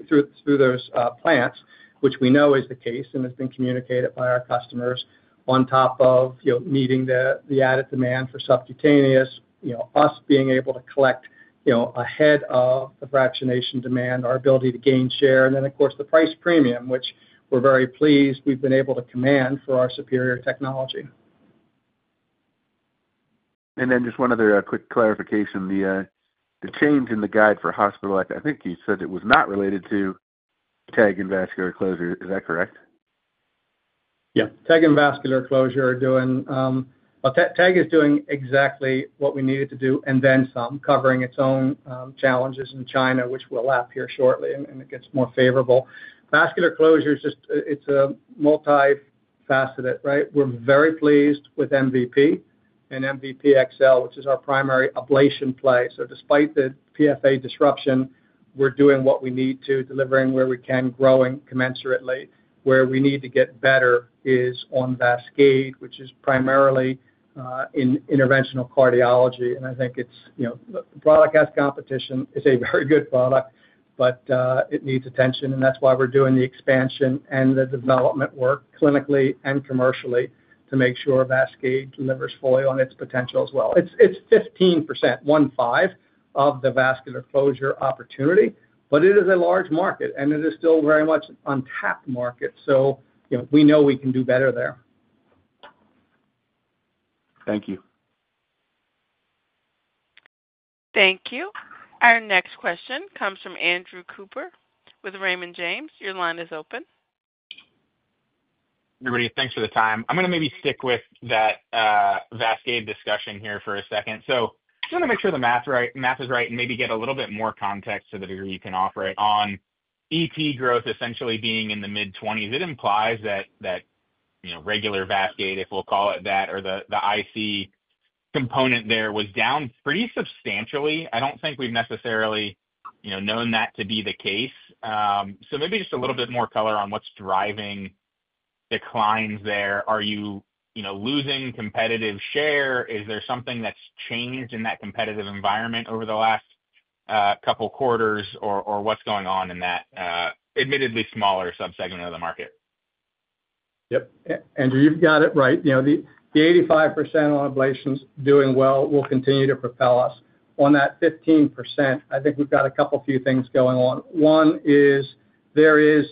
through those plants, which we know is the case and has been communicated by our customers on top of meeting the added demand for subcutaneous, us being able to collect ahead of the fractionation demand, our ability to gain share. And then, of course, the price premium, which we're very pleased we've been able to command for our superior technology. And then just one other quick clarification. The change in the guide for hospital, I think you said it was not related to TEG and vascular closure. Is that correct? Yeah. TEG and vascular closure are doing. TEG is doing exactly what we needed to do and then some, covering its own challenges in China, which we'll lap here shortly, and it gets more favorable. Vascular closure, it's a multi-faceted, right? We're very pleased with MVP and MVP XL, which is our primary ablation play. So despite the PFA disruption, we're doing what we need to, delivering where we can, growing commensurately. Where we need to get better is on Vascade, which is primarily in interventional cardiology. And I think the product has competition. It's a very good product, but it needs attention. And that's why we're doing the expansion and the development work clinically and commercially to make sure Vascade delivers fully on its potential as well. It's 15%, 1/5 of the vascular closure opportunity, but it is a large market, and it is still very much an untapped market. So we know we can do better there. Thank you. Thank you. Our next question comes from Andrew Cooper with Raymond James. Your line is open. Hey, Marie. Thanks for the time. I'm going to maybe stick with that Vascade discussion here for a second. So just want to make sure the math is right and maybe get a little bit more context to the degree you can offer it on EP growth essentially being in the mid-20s%. It implies that regular Vascade, if we'll call it that, or the IC component there was down pretty substantially. I don't think we've necessarily known that to be the case. So maybe just a little bit more color on what's driving declines there. Are you losing competitive share? Is there something that's changed in that competitive environment over the last couple of quarters, or what's going on in that admittedly smaller subsegment of the market? Yep. Andrew, you've got it right. The 85% on ablations doing well will continue to propel us. On that 15%, I think we've got a couple of few things going on. One is there is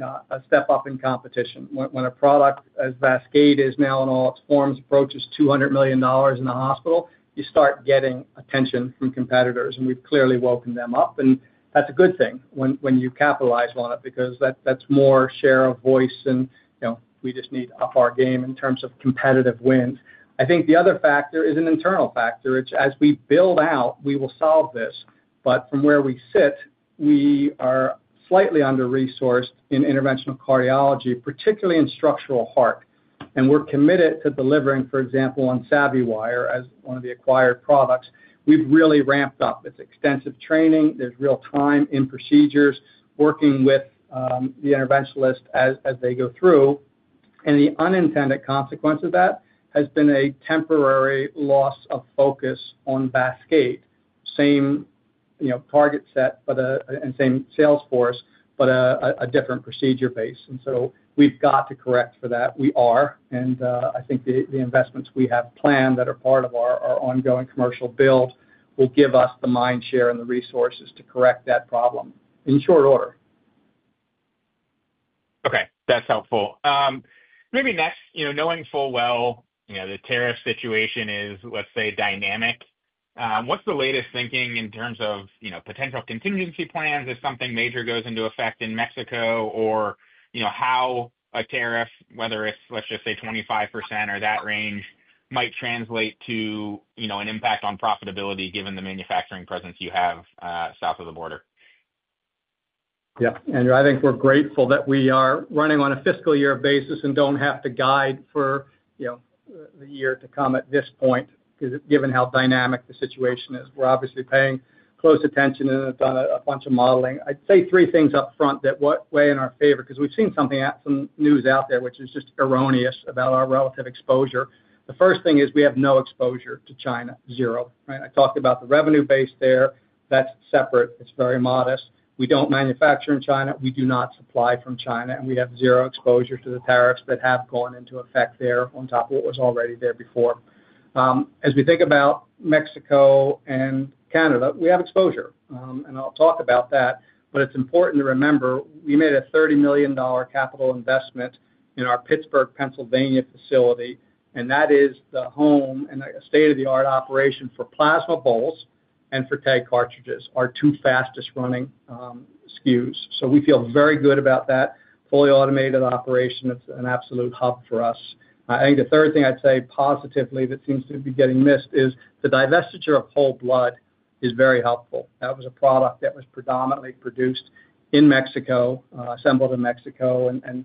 a step up in competition. When a product as Vascade is now in all its forms approaches $200 million in a hospital, you start getting attention from competitors. And we've clearly woken them up. And that's a good thing when you capitalize on it because that's more share of voice. And we just need up our game in terms of competitive wins. I think the other factor is an internal factor. It's as we build out, we will solve this. But from where we sit, we are slightly under-resourced in interventional cardiology, particularly in structural heart. And we're committed to delivering, for example, on SavvyWire as one of the acquired products. We've really ramped up. It's extensive training. There's real-time in procedures, working with the interventionalist as they go through. The unintended consequence of that has been a temporary loss of focus on VASCADE, same target set and same sales force, but a different procedure base. And so we've got to correct for that. We are. And I think the investments we have planned that are part of our ongoing commercial build will give us the mind share and the resources to correct that problem in short order. Okay. That's helpful. Maybe next, knowing full well the tariff situation is, let's say, dynamic, what's the latest thinking in terms of potential contingency plans if something major goes into effect in Mexico or how a tariff, whether it's, let's just say, 25% or that range, might translate to an impact on profitability given the manufacturing presence you have south of the border? Yeah. And I think we're grateful that we are running on a fiscal year basis and don't have to guide for the year to come at this point given how dynamic the situation is. We're obviously paying close attention and have done a bunch of modeling. I'd say three things upfront that weigh in our favor because we've seen some news out there which is just erroneous about our relative exposure. The first thing is we have no exposure to China, zero, right? I talked about the revenue base there. That's separate. It's very modest. We don't manufacture in China. We do not supply from China. And we have zero exposure to the tariffs that have gone into effect there on top of what was already there before. As we think about Mexico and Canada, we have exposure. And I'll talk about that. It's important to remember we made a $30 million capital investment in our Pittsburgh, Pennsylvania facility. That is the home and a state-of-the-art operation for plasma bottles and for TEG cartridges, our two fastest-running SKUs. We feel very good about that fully automated operation. It's an absolute hub for us. I think the third thing I'd say positively that seems to be getting missed is the divestiture of Whole Blood is very helpful. That was a product that was predominantly produced in Mexico, assembled in Mexico, and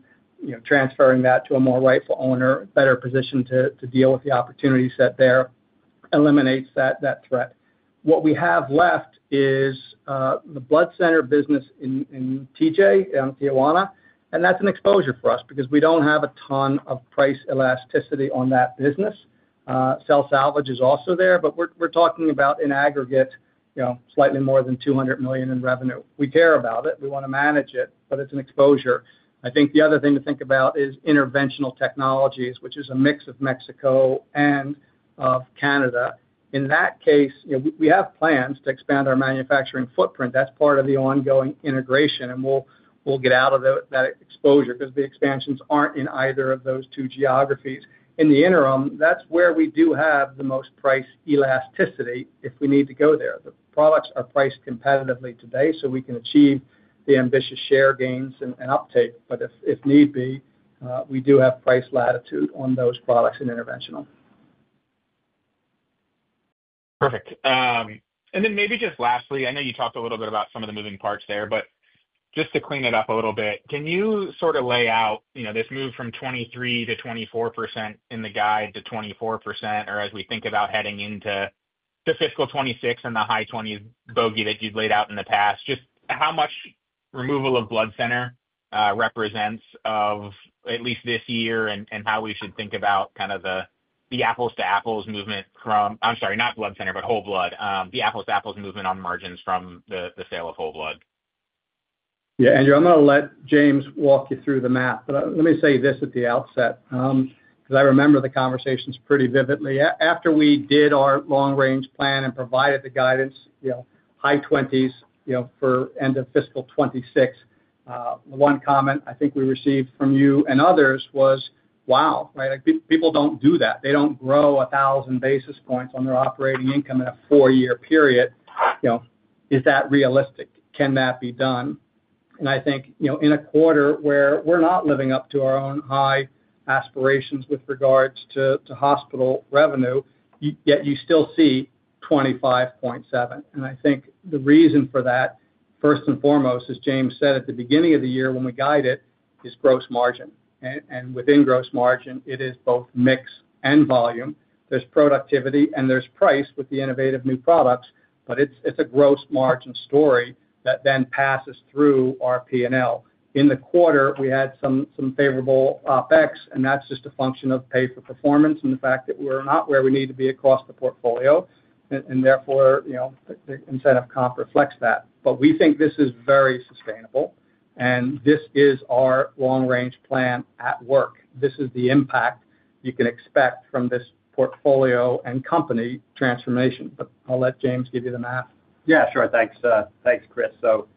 transferring that to a more rightful owner, better position to deal with the opportunity set there eliminates that threat. What we have left is the blood center business in TJ, Tijuana. That's an exposure for us because we don't have a ton of price elasticity on that business. Cell salvage is also there, but we're talking about in aggregate slightly more than $200 million in revenue. We care about it. We want to manage it, but it's an exposure. I think the other thing to think about is interventional technologies, which is a mix of Mexico and of Canada. In that case, we have plans to expand our manufacturing footprint. That's part of the ongoing integration. And we'll get out of that exposure because the expansions aren't in either of those two geographies. In the interim, that's where we do have the most price elasticity if we need to go there. The products are priced competitively today, so we can achieve the ambitious share gains and uptake. But if need be, we do have price latitude on those products in interventional. Perfect. And then maybe just lastly, I know you talked a little bit about some of the moving parts there, but just to clean it up a little bit, can you sort of lay out this move from 23%-24% in the guide to 24%, or as we think about heading into the fiscal 2026 and the high 20s% bogey that you've laid out in the past, just how much removal of blood center represents of at least this year and how we should think about kind of the apples-to-apples movement from I'm sorry, not blood center, but Whole Blood, the apples-to-apples movement on margins from the sale of Whole Blood? Yeah. Andrew, I'm going to let James walk you through the math. But let me say this at the outset because I remember the conversations pretty vividly. After we did our long-range plan and provided the guidance, high 20s for end of fiscal 2026, one comment I think we received from you and others was, "Wow, right? People don't do that. They don't grow 1,000 basis points on their operating income in a four-year period. Is that realistic? Can that be done?" And I think in a quarter where we're not living up to our own high aspirations with regards to hospital revenue, yet you still see 25.7%. And I think the reason for that, first and foremost, as James said at the beginning of the year when we guide it, is gross margin. And within gross margin, it is both mix and volume. There's productivity, and there's price with the innovative new products, but it's a gross margin story that then passes through our P&L. In the quarter, we had some favorable OpEx, and that's just a function of pay for performance and the fact that we're not where we need to be across the portfolio, and therefore, the incentive comp reflects that, but we think this is very sustainable, and this is our long-range plan at work. This is the impact you can expect from this portfolio and company transformation, but I'll let James give you the math. Yeah. Sure. Thanks, Chris. So,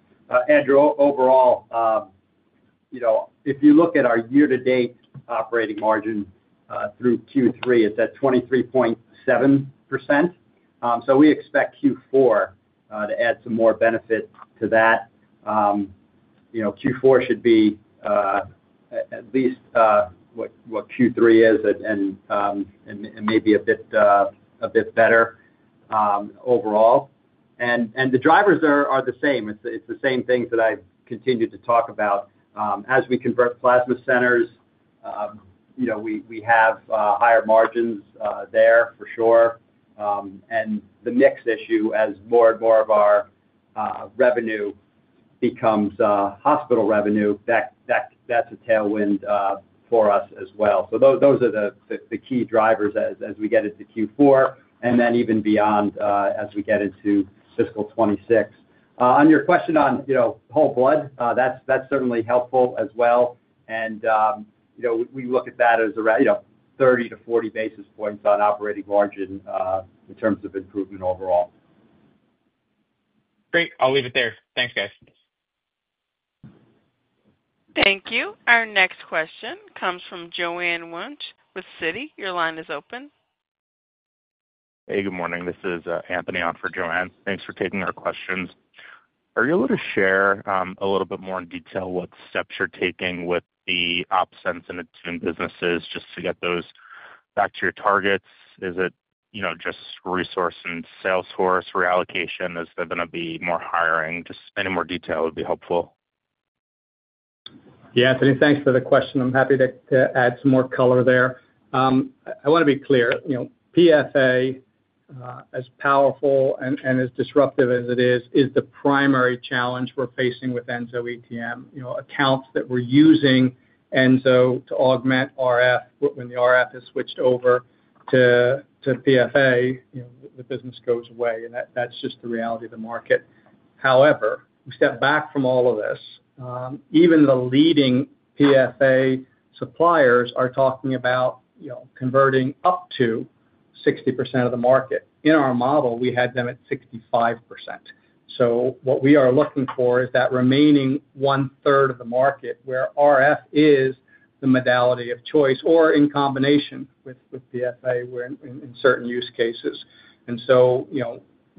Andrew, overall, if you look at our year-to-date operating margin through Q3, it's at 23.7%, so we expect Q4 to add some more benefit to that. Q4 should be at least what Q3 is and maybe a bit better overall, and the drivers are the same. It's the same things that I've continued to talk about. As we convert plasma centers, we have higher margins there for sure. And the mix issue, as more and more of our revenue becomes hospital revenue, that's a tailwind for us as well. So those are the key drivers as we get into Q4 and then even beyond as we get into fiscal 2026. On your question on Whole Blood, that's certainly helpful as well. And we look at that as 30 basis points-40 basis points on operating margin in terms of improvement overall. Great. I'll leave it there. Thanks, guys. Thank you. Our next question comes from Joanne Wuensch with Citi. Your line is open. Hey, good morning. This is Anthony on for Joanne. Thanks for taking our questions. Are you able to share a little bit more in detail what steps you're taking with the OpSens businesses just to get those back to your targets? Is it just resource and sales force reallocation? Is there going to be more hiring? Just any more detail would be helpful. Yeah. Thanks for the question. I'm happy to add some more color there. I want to be clear. PFA, as powerful and as disruptive as it is, is the primary challenge we're facing with ensoETM. Accounts that were using ensoETM to augment RF, when the RF is switched over to PFA, the business goes away. And that's just the reality of the market. However, we step back from all of this. Even the leading PFA suppliers are talking about converting up to 60% of the market. In our model, we had them at 65%. So what we are looking for is that remaining 1/3 of the market where RF is the modality of choice or in combination with PFA in certain use cases.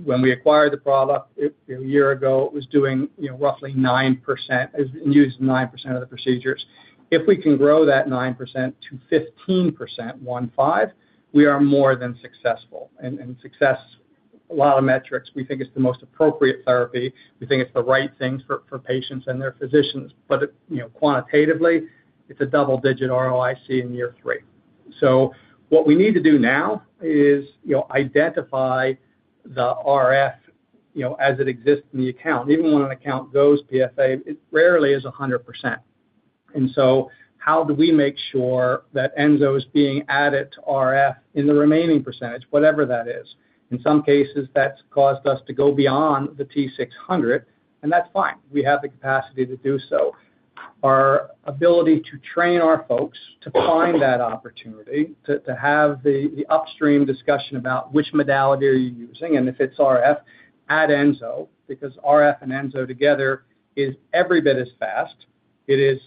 When we acquired the product a year ago, it was doing roughly 9% and used 9% of the procedures. If we can grow that 9% to 15%, one fifth, we are more than successful. Success, a lot of metrics, we think it's the most appropriate therapy. We think it's the right thing for patients and their physicians. But quantitatively, it's a double-digit ROIC in year three. What we need to do now is identify the RF as it exists in the account. Even when an account goes PFA, it rarely is 100%. How do we make sure that enso is being added to RF in the remaining percentage, whatever that is? In some cases, that's caused us to go beyond the T600, and that's fine. We have the capacity to do so. Our ability to train our folks to find that opportunity, to have the upstream discussion about which modality are you using, and if it's RF, add Enso because RF and Enso together is every bit as fast. It is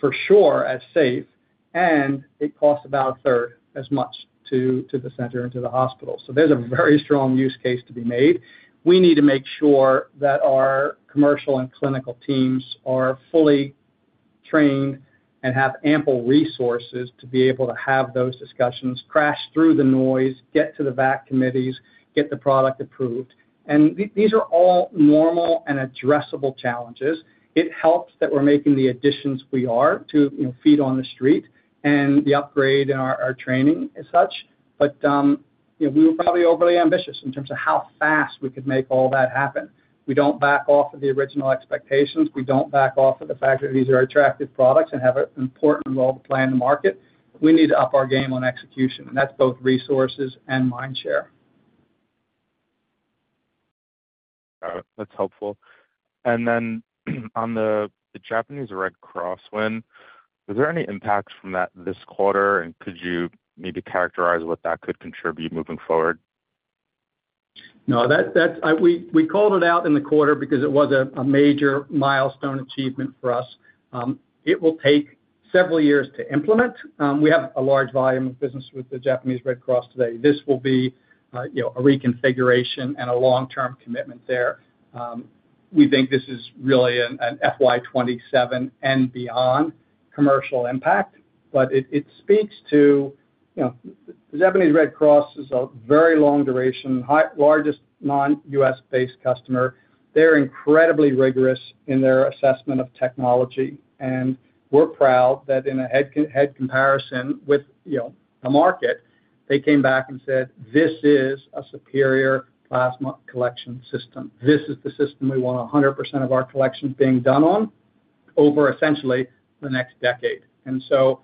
for sure as safe, and it costs about a third as much to the center and to the hospital. So there's a very strong use case to be made. We need to make sure that our commercial and clinical teams are fully trained and have ample resources to be able to have those discussions, crash through the noise, get to the VAC committees, get the product approved. And these are all normal and addressable challenges. It helps that we're making the additions we are to feet on the street and the upgrade in our training as such. We were probably overly ambitious in terms of how fast we could make all that happen. We don't back off of the original expectations. We don't back off of the fact that these are attractive products and have an important role to play in the market. We need to up our game on execution. That's both resources and mind share. That's helpful. On the Japanese Red Cross win, was there any impact from that this quarter? And could you maybe characterize what that could contribute moving forward? No, we called it out in the quarter because it was a major milestone achievement for us. It will take several years to implement. We have a large volume of business with the Japanese Red Cross today. This will be a reconfiguration and a long-term commitment there. We think this is really an FY2027 and beyond commercial impact, but it speaks to the Japanese Red Cross is a very long-duration, largest non-U.S.-based customer. They're incredibly rigorous in their assessment of technology. And we're proud that in a head comparison with the market, they came back and said, "This is a superior plasma collection system. This is the system we want 100% of our collection being done on over essentially the next decade." And so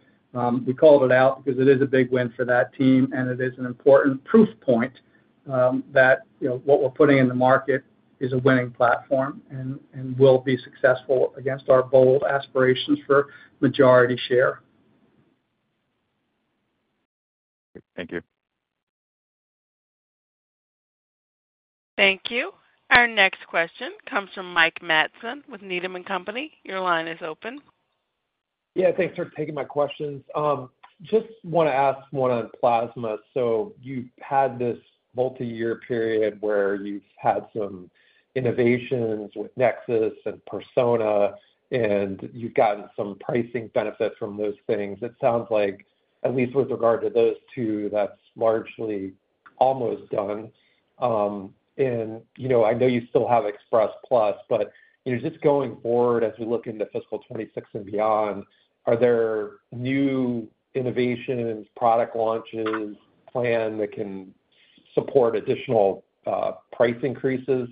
we called it out because it is a big win for that team, and it is an important proof point that what we're putting in the market is a winning platform and will be successful against our bold aspirations for majority share. Thank you. Thank you. Our next question comes from Mike Matson with Needham & Company. Your line is open. Yeah. Thanks for taking my questions. Just want to ask more on plasma. So you've had this multi-year period where you've had some innovations with NexSys and Persona, and you've gotten some pricing benefit from those things. It sounds like, at least with regard to those two, that's largely almost done. And I know you still have Express Plus, but just going forward as we look into fiscal 2026 and beyond, are there new innovations, product launches planned that can support additional price increases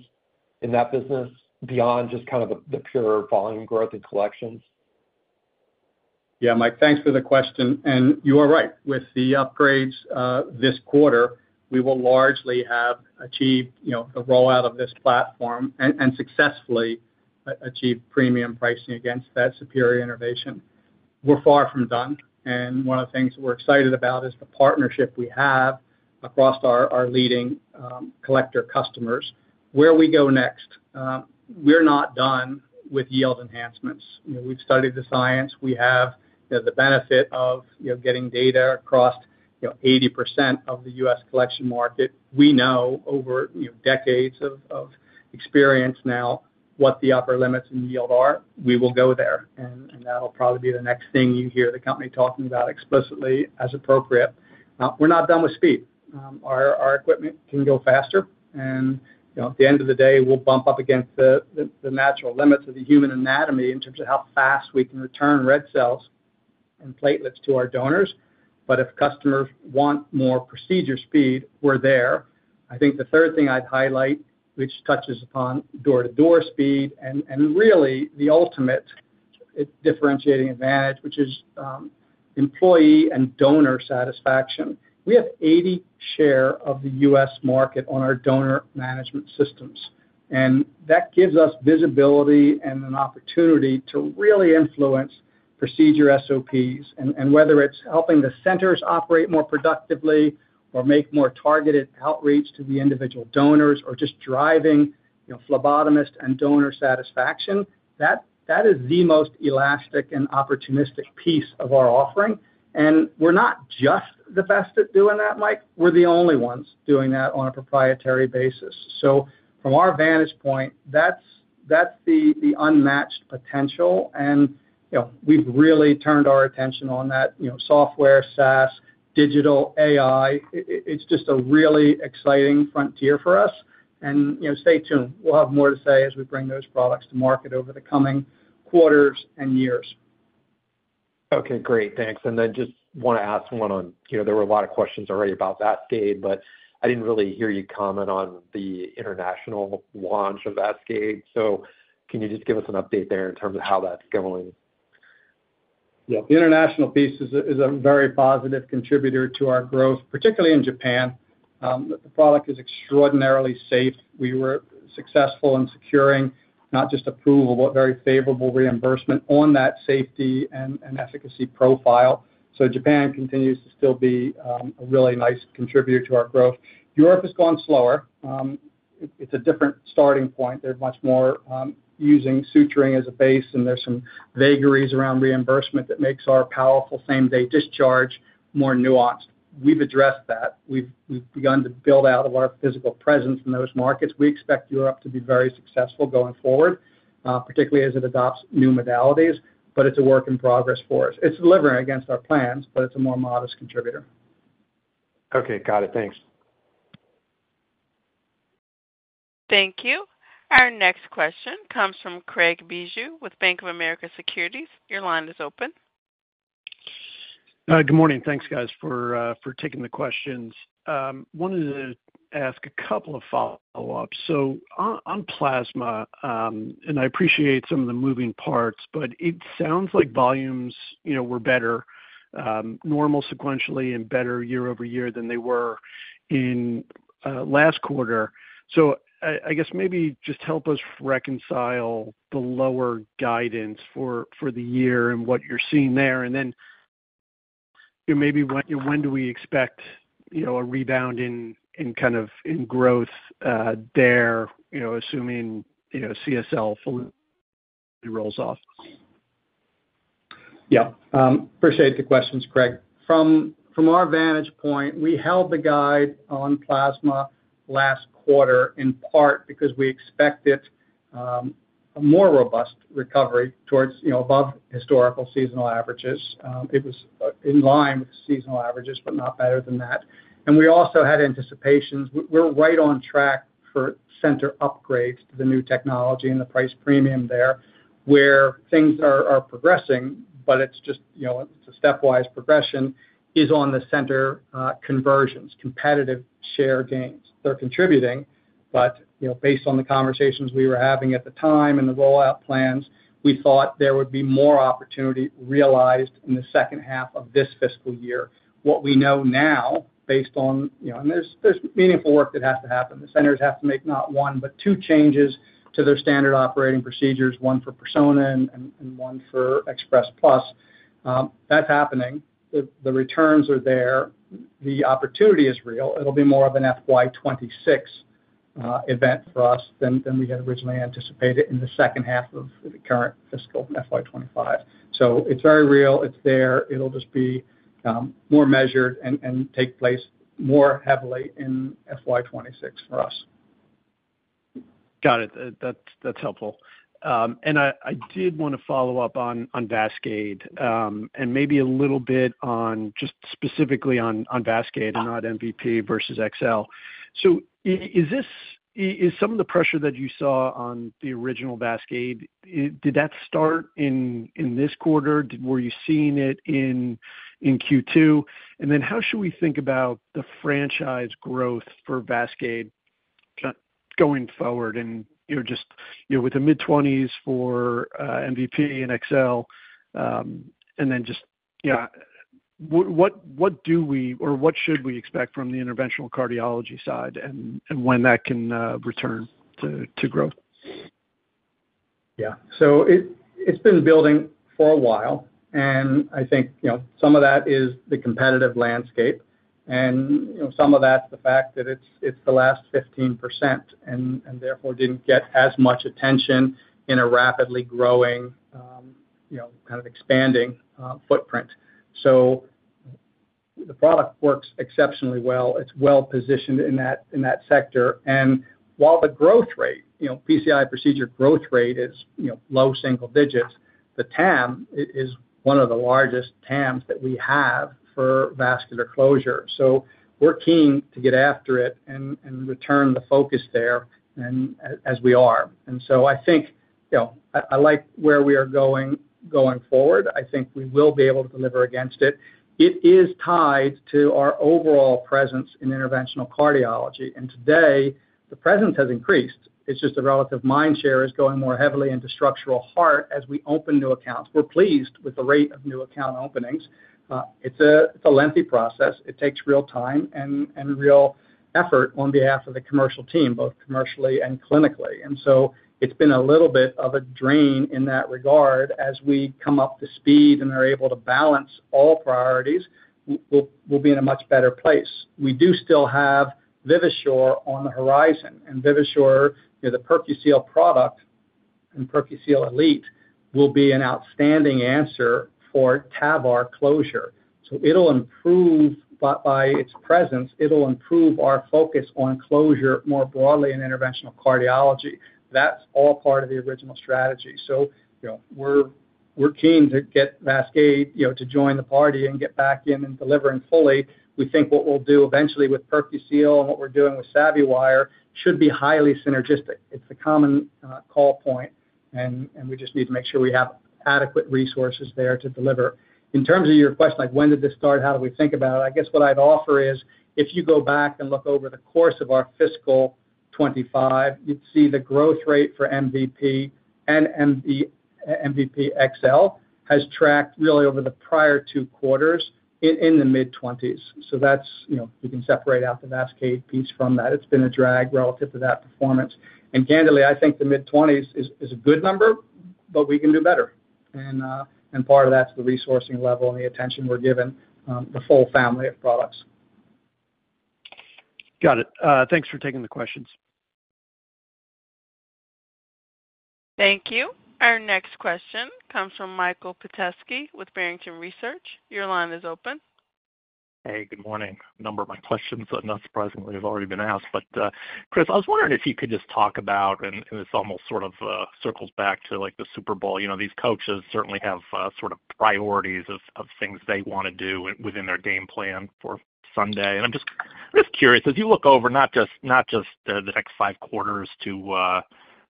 in that business beyond just kind of the pure volume growth and collections? Yeah, Mike, thanks for the question. And you are right. With the upgrades this quarter, we will largely have achieved the rollout of this platform and successfully achieved premium pricing against that superior innovation. We're far from done. And one of the things that we're excited about is the partnership we have across our leading collector customers. Where we go next, we're not done with yield enhancements. We've studied the science. We have the benefit of getting data across 80% of the U.S. collection market. We know over decades of experience now what the upper limits in yield are. We will go there, and that'll probably be the next thing you hear the company talking about explicitly as appropriate. We're not done with speed. Our equipment can go faster, and at the end of the day, we'll bump up against the natural limits of the human anatomy in terms of how fast we can return red cells and platelets to our donors. But if customers want more procedure speed, we're there. I think the third thing I'd highlight, which touches upon door-to-door speed and really the ultimate differentiating advantage, which is employee and donor satisfaction. We have 80% share of the U.S. market on our donor management systems. And that gives us visibility and an opportunity to really influence procedure SOPs. And whether it's helping the centers operate more productively or make more targeted outreach to the individual donors or just driving phlebotomist and donor satisfaction, that is the most elastic and opportunistic piece of our offering. And we're not just the best at doing that, Mike. We're the only ones doing that on a proprietary basis. So from our vantage point, that's the unmatched potential. And we've really turned our attention on that software, SaaS, digital, AI. It's just a really exciting frontier for us. And stay tuned. We'll have more to say as we bring those products to market over the coming quarters and years. Okay. Great. Thanks. And then just want to ask one on there were a lot of questions already about VASCADE, but I didn't really hear you comment on the international launch of VASCADE. So can you just give us an update there in terms of how that's going? Yeah. The international piece is a very positive contributor to our growth, particularly in Japan. The product is extraordinarily safe. We were successful in securing not just approval, but very favorable reimbursement on that safety and efficacy profile. So Japan continues to still be a really nice contributor to our growth. Europe has gone slower. It's a different starting point. They're much more using suturing as a base, and there's some vagaries around reimbursement that makes our powerful same-day discharge more nuanced. We've addressed that. We've begun to build out of our physical presence in those markets. We expect Europe to be very successful going forward, particularly as it adopts new modalities, but it's a work in progress for us. It's delivering against our plans, but it's a more modest contributor. Okay. Got it. Thanks. Thank you. Our next question comes from Craig Bijou with Bank of America Securities. Your line is open. Good morning. Thanks, guys, for taking the questions. Wanted to ask a couple of follow-ups so on plasma, and I appreciate some of the moving parts, but it sounds like volumes were better, normal sequentially and better year-over-year than they were in last quarter. So I guess maybe just help us reconcile the lower guidance for the year and what you're seeing there. And then maybe when do we expect a rebound in kind of growth there, assuming CSL rolls off? Yeah. Appreciate the questions, Craig. From our vantage point, we held the guide on plasma last quarter in part because we expected a more robust recovery toward above historical seasonal averages. It was in line with seasonal averages, but not better than that, and we also had anticipations. We're right on track for center upgrades to the new technology and the price premium there where things are progressing, but it's just a stepwise progression is on the center conversions, competitive share gains. They're contributing, but based on the conversations we were having at the time and the rollout plans, we thought there would be more opportunity realized in the second half of this fiscal year. What we know now, based on, and there's meaningful work that has to happen, the centers have to make not one, but two changes to their standard operating procedures, one for Persona and one for Express Plus. That's happening. The returns are there. The opportunity is real. It'll be more of an FY2026 event for us than we had originally anticipated in the second half of the current fiscal FY2025. So it's very real. It's there. It'll just be more measured and take place more heavily in FY2026 for us. Got it. That's helpful. And I did want to follow up on VASCADE and maybe a little bit on just specifically on VASCADE and not MVP versus XL. So is some of the pressure that you saw on the original VASCADE, did that start in this quarter? Were you seeing it in Q2? And then how should we think about the franchise growth for VASCADE going forward and just with the mid-20s for MVP and XL? And then just, yeah, what do we or what should we expect from the interventional cardiology side, and when that can return to growth? Yeah, so it's been building for a while, and I think some of that is the competitive landscape, and some of that's the fact that it's the last 15% and therefore didn't get as much attention in a rapidly growing kind of expanding footprint, so the product works exceptionally well. It's well positioned in that sector, and while the growth rate, PCI procedure growth rate is low single digits, the TAM is one of the largest TAMs that we have for vascular closure, so we're keen to get after it and return the focus there as we are, and so I think I like where we are going forward. I think we will be able to deliver against it. It is tied to our overall presence in interventional cardiology, and today, the presence has increased. It's just the relative mind share is going more heavily into structural heart as we open new accounts. We're pleased with the rate of new account openings. It's a lengthy process. It takes real time and real effort on behalf of the commercial team, both commercially and clinically, and so it's been a little bit of a drain in that regard. As we come up to speed and are able to balance all priorities, we'll be in a much better place. We do still have Vivasure on the horizon, and Vivasure, the PerQseal product and PerQseal Elite will be an outstanding answer for TAVR closure. So it'll improve by its presence. It'll improve our focus on closure more broadly in interventional cardiology. That's all part of the original strategy. We're keen to get VASCADE to join the party and get back in and delivering fully. We think what we'll do eventually with PerQseal and what we're doing with SavvyWire should be highly synergistic. It's a common call point. And we just need to make sure we have adequate resources there to deliver. In terms of your question, like, "When did this start? How do we think about it?" I guess what I'd offer is if you go back and look over the course of our fiscal 2025, you'd see the growth rate for MVP and MVP XL has tracked really over the prior two quarters in the mid-20s. So you can separate out the VASCADE piece from that. It's been a drag relative to that performance. And candidly, I think the mid-20s is a good number, but we can do better. And part of that's the resourcing level and the attention we're giving the full family of products. Got it. Thanks for taking the questions. Thank you. Our next question comes from Mike Petusky with Barrington Research. Your line is open. Hey, good morning. A number of my questions, not surprisingly, have already been asked. But Chris, I was wondering if you could just talk about, and this almost sort of circles back to the Super Bowl, these coaches certainly have sort of priorities of things they want to do within their game plan for Sunday. And I'm just curious, as you look over not just the next five quarters to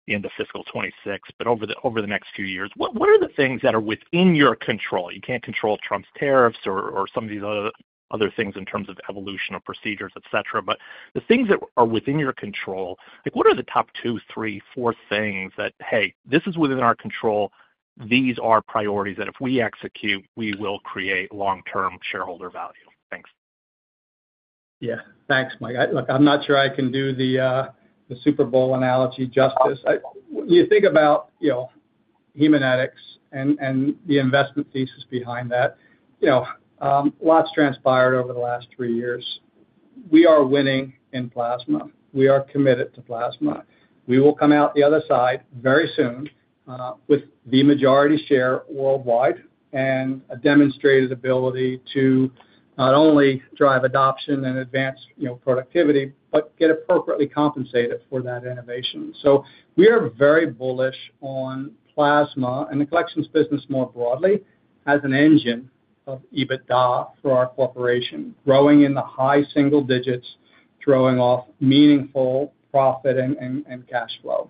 the end of fiscal 2026, but over the next few years, what are the things that are within your control? You can't control Trump's tariffs or some of these other things in terms of evolution of procedures, etc. But the things that are within your control, what are the top two, three, four things that, "Hey, this is within our control. These are priorities that if we execute, we will create long-term shareholder value." Thanks. Yeah. Thanks, Mike. Look, I'm not sure I can do the Super Bowl analogy justice. When you think about Haemonetics and the investment thesis behind that, lots transpired over the last three years. We are winning in plasma. We are committed to plasma. We will come out the other side very soon with the majority share worldwide and a demonstrated ability to not only drive adoption and advance productivity, but get appropriately compensated for that innovation. We are very bullish on plasma. The collections business more broadly has an engine of EBITDA for our corporation, growing in the high single digits, throwing off meaningful profit and cash flow.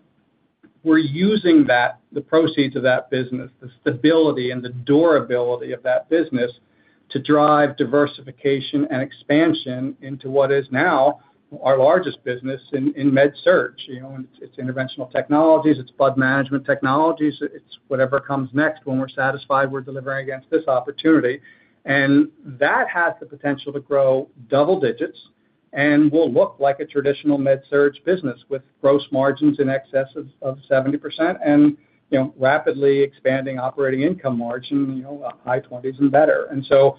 We're using the proceeds of that business, the stability and the durability of that business to drive diversification and expansion into what is now our largest business in MedTech. It's interventional technologies. It's blood management technologies. It's whatever comes next. When we're satisfied, we're delivering against this opportunity, and that has the potential to grow double digits, and we'll look like a traditional MedTech business with gross margins in excess of 70% and rapidly expanding operating income margin, high 20s and better, and so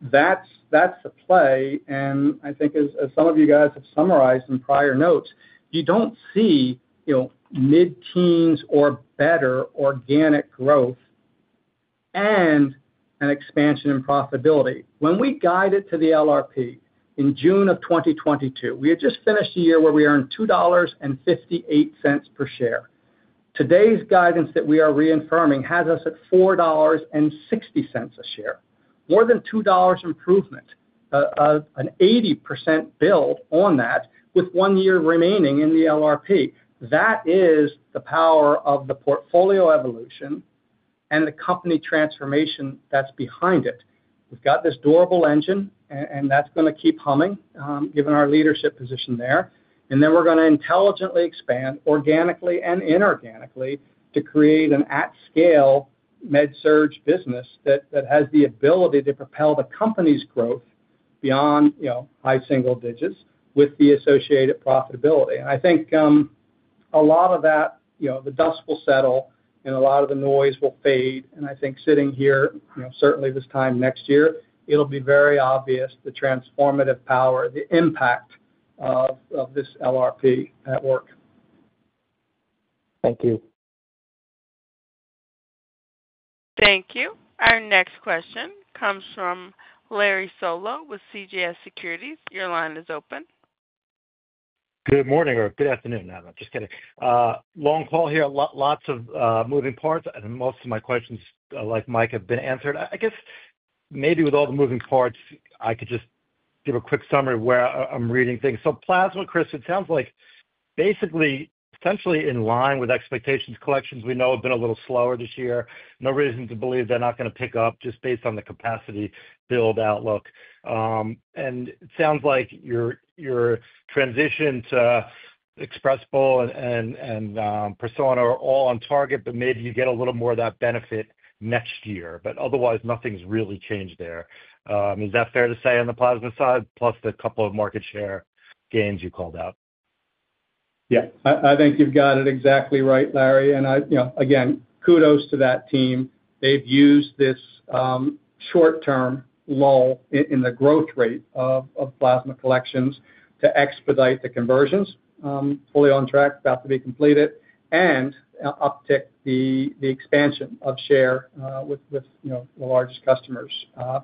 that's the play, and I think, as some of you guys have summarized in prior notes, you don't see mid-teens or better organic growth and an expansion in profitability. When we guided to the LRP in June of 2022, we had just finished a year where we earned $2.58 per share. Today's guidance that we are reaffirming has us at $4.60 a share. More than $2 improvement, an 80% build on that with one year remaining in the LRP. That is the power of the portfolio evolution and the company transformation that's behind it. We've got this durable engine, and that's going to keep humming given our leadership position there. And then we're going to intelligently expand organically and inorganically to create an at-scale medtech business that has the ability to propel the company's growth beyond high single digits with the associated profitability. And I think a lot of that, the dust will settle, and a lot of the noise will fade. And I think sitting here, certainly this time next year, it'll be very obvious the transformative power, the impact of this LRP at work. Thank you. Thank you. Our next question comes from Larry Solow with CJS Securities. Your line is open. Good morning or good afternoon. Just kidding. Long call here. Lots of moving parts. Most of my questions, like Mike, have been answered. I guess maybe with all the moving parts, I could just give a quick summary where I'm reading things. Plasma, Chris, it sounds like basically, essentially in line with expectations. Collections we know have been a little slower this year. No reason to believe they're not going to pick up just based on the capacity build outlook. It sounds like your transition to Express Plus and Persona are all on target, but maybe you get a little more of that benefit next year. Otherwise, nothing's really changed there. Is that fair to say on the plasma side, plus the couple of market share gains you called out? Yeah. I think you've got it exactly right, Larry. Again, kudos to that team. They've used this short-term lull in the growth rate of plasma collections to expedite the conversions, fully on track, about to be completed, and uptick the expansion of share with the largest customers,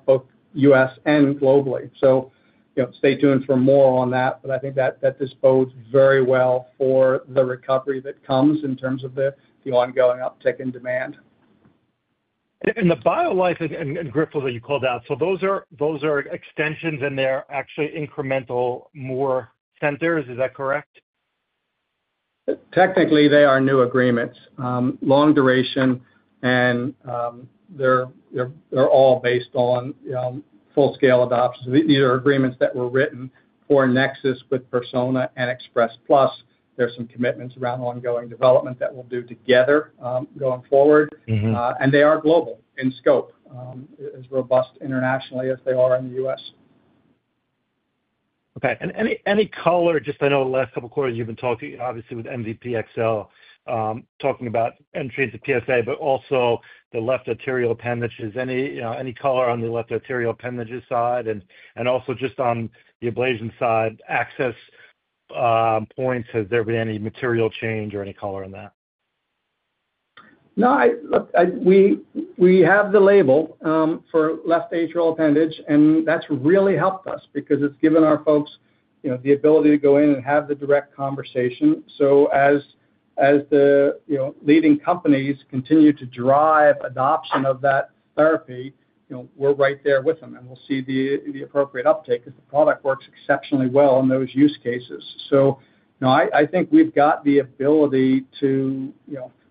both U.S. and globally, so stay tuned for more on that, but I think that this bodes very well for the recovery that comes in terms of the ongoing uptick in demand And the BioLife and Grifols that you called out, so those are extensions and they're actually incremental more centers. Is that correct? Technically, they are new agreements, long duration, and they're all based on full-scale adoptions. These are agreements that were written for NexSys with Persona and Express Plus. There's some commitments around ongoing development that we'll do together going forward, and they are global in scope, as robust internationally as they are in the U.S. Okay. Any color, just I know the last couple of quarters you've been talking, obviously, with MVP XL, talking about entry into PFA, but also the left atrial appendage. Any color on the left atrial appendage side? And also just on the ablation side, access points, has there been any material change or any color in that? No. Look, we have the label for left atrial appendage, and that's really helped us because it's given our folks the ability to go in and have the direct conversation. So as the leading companies continue to drive adoption of that therapy, we're right there with them. And we'll see the appropriate uptake because the product works exceptionally well in those use cases. So I think we've got the ability to,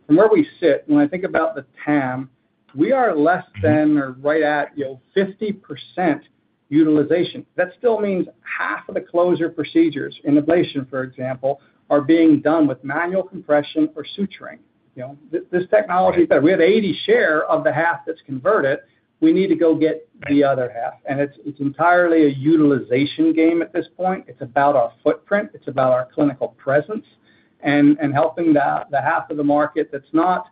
from where we sit, when I think about the TAM, we are less than or right at 50% utilization. That still means half of the closure procedures in ablation, for example, are being done with manual compression or suturing. This technology is better. We have 80% share of the half that's converted. We need to go get the other half. And it's entirely a utilization game at this point. It's about our footprint. It's about our clinical presence and helping the half of the market that's not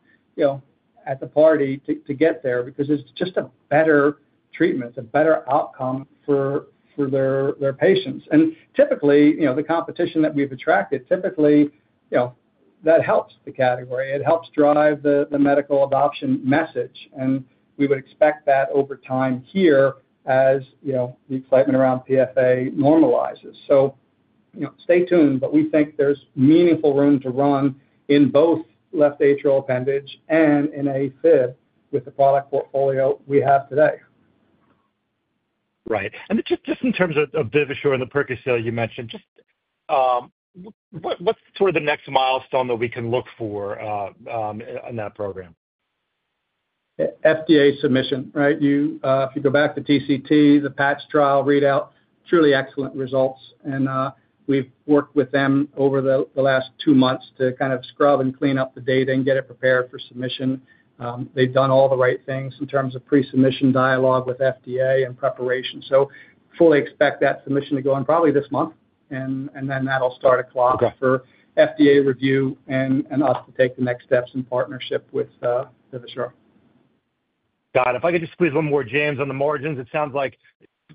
at the party to get there because it's just a better treatment. It's a better outcome for their patients. And typically, the competition that we've attracted, typically, that helps the category. It helps drive the medical adoption message. And we would expect that over time here as the excitement around PFA normalizes. So stay tuned, but we think there's meaningful room to run in both left atrial appendage and in AFib with the product portfolio we have today. Right. Just in terms of Vivasure and the PerQseal you mentioned, just what's sort of the next milestone that we can look for in that program? FDA submission, right? If you go back to TCT, the PATCH trial readout, truly excellent results. We've worked with them over the last two months to kind of scrub and clean up the data and get it prepared for submission. They've done all the right things in terms of pre-submission dialogue with FDA and preparation. Fully expect that submission to go in probably this month. That'll start a clock for FDA review and us to take the next steps in partnership with Vivasure. Got it. If I could just squeeze one more, James, on the margins. It sounds like,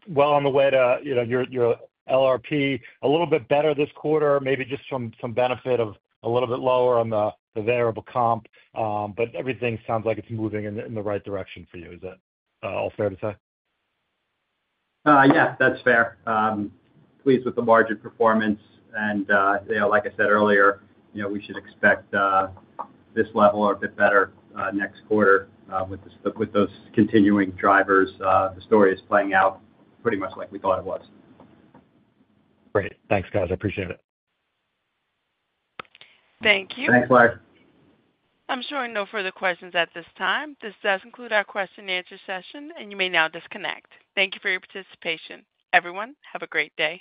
well, on the way to your LRP, a little bit better this quarter, maybe just some benefit of a little bit lower on the variable comp. But everything sounds like it's moving in the right direction for you. Is that all fair to say? Yeah. That's fair. Pleased with the margin performance. And like I said earlier, we should expect this level or a bit better next quarter with those continuing drivers. The story is playing out pretty much like we thought it was. Great. Thanks, guys. I appreciate it. Thank you. Thanks, Larry. I'm showing no further questions at this time. This does conclude our question-and-answer session, and you may now disconnect. Thank you for your participation. Everyone, have a great day.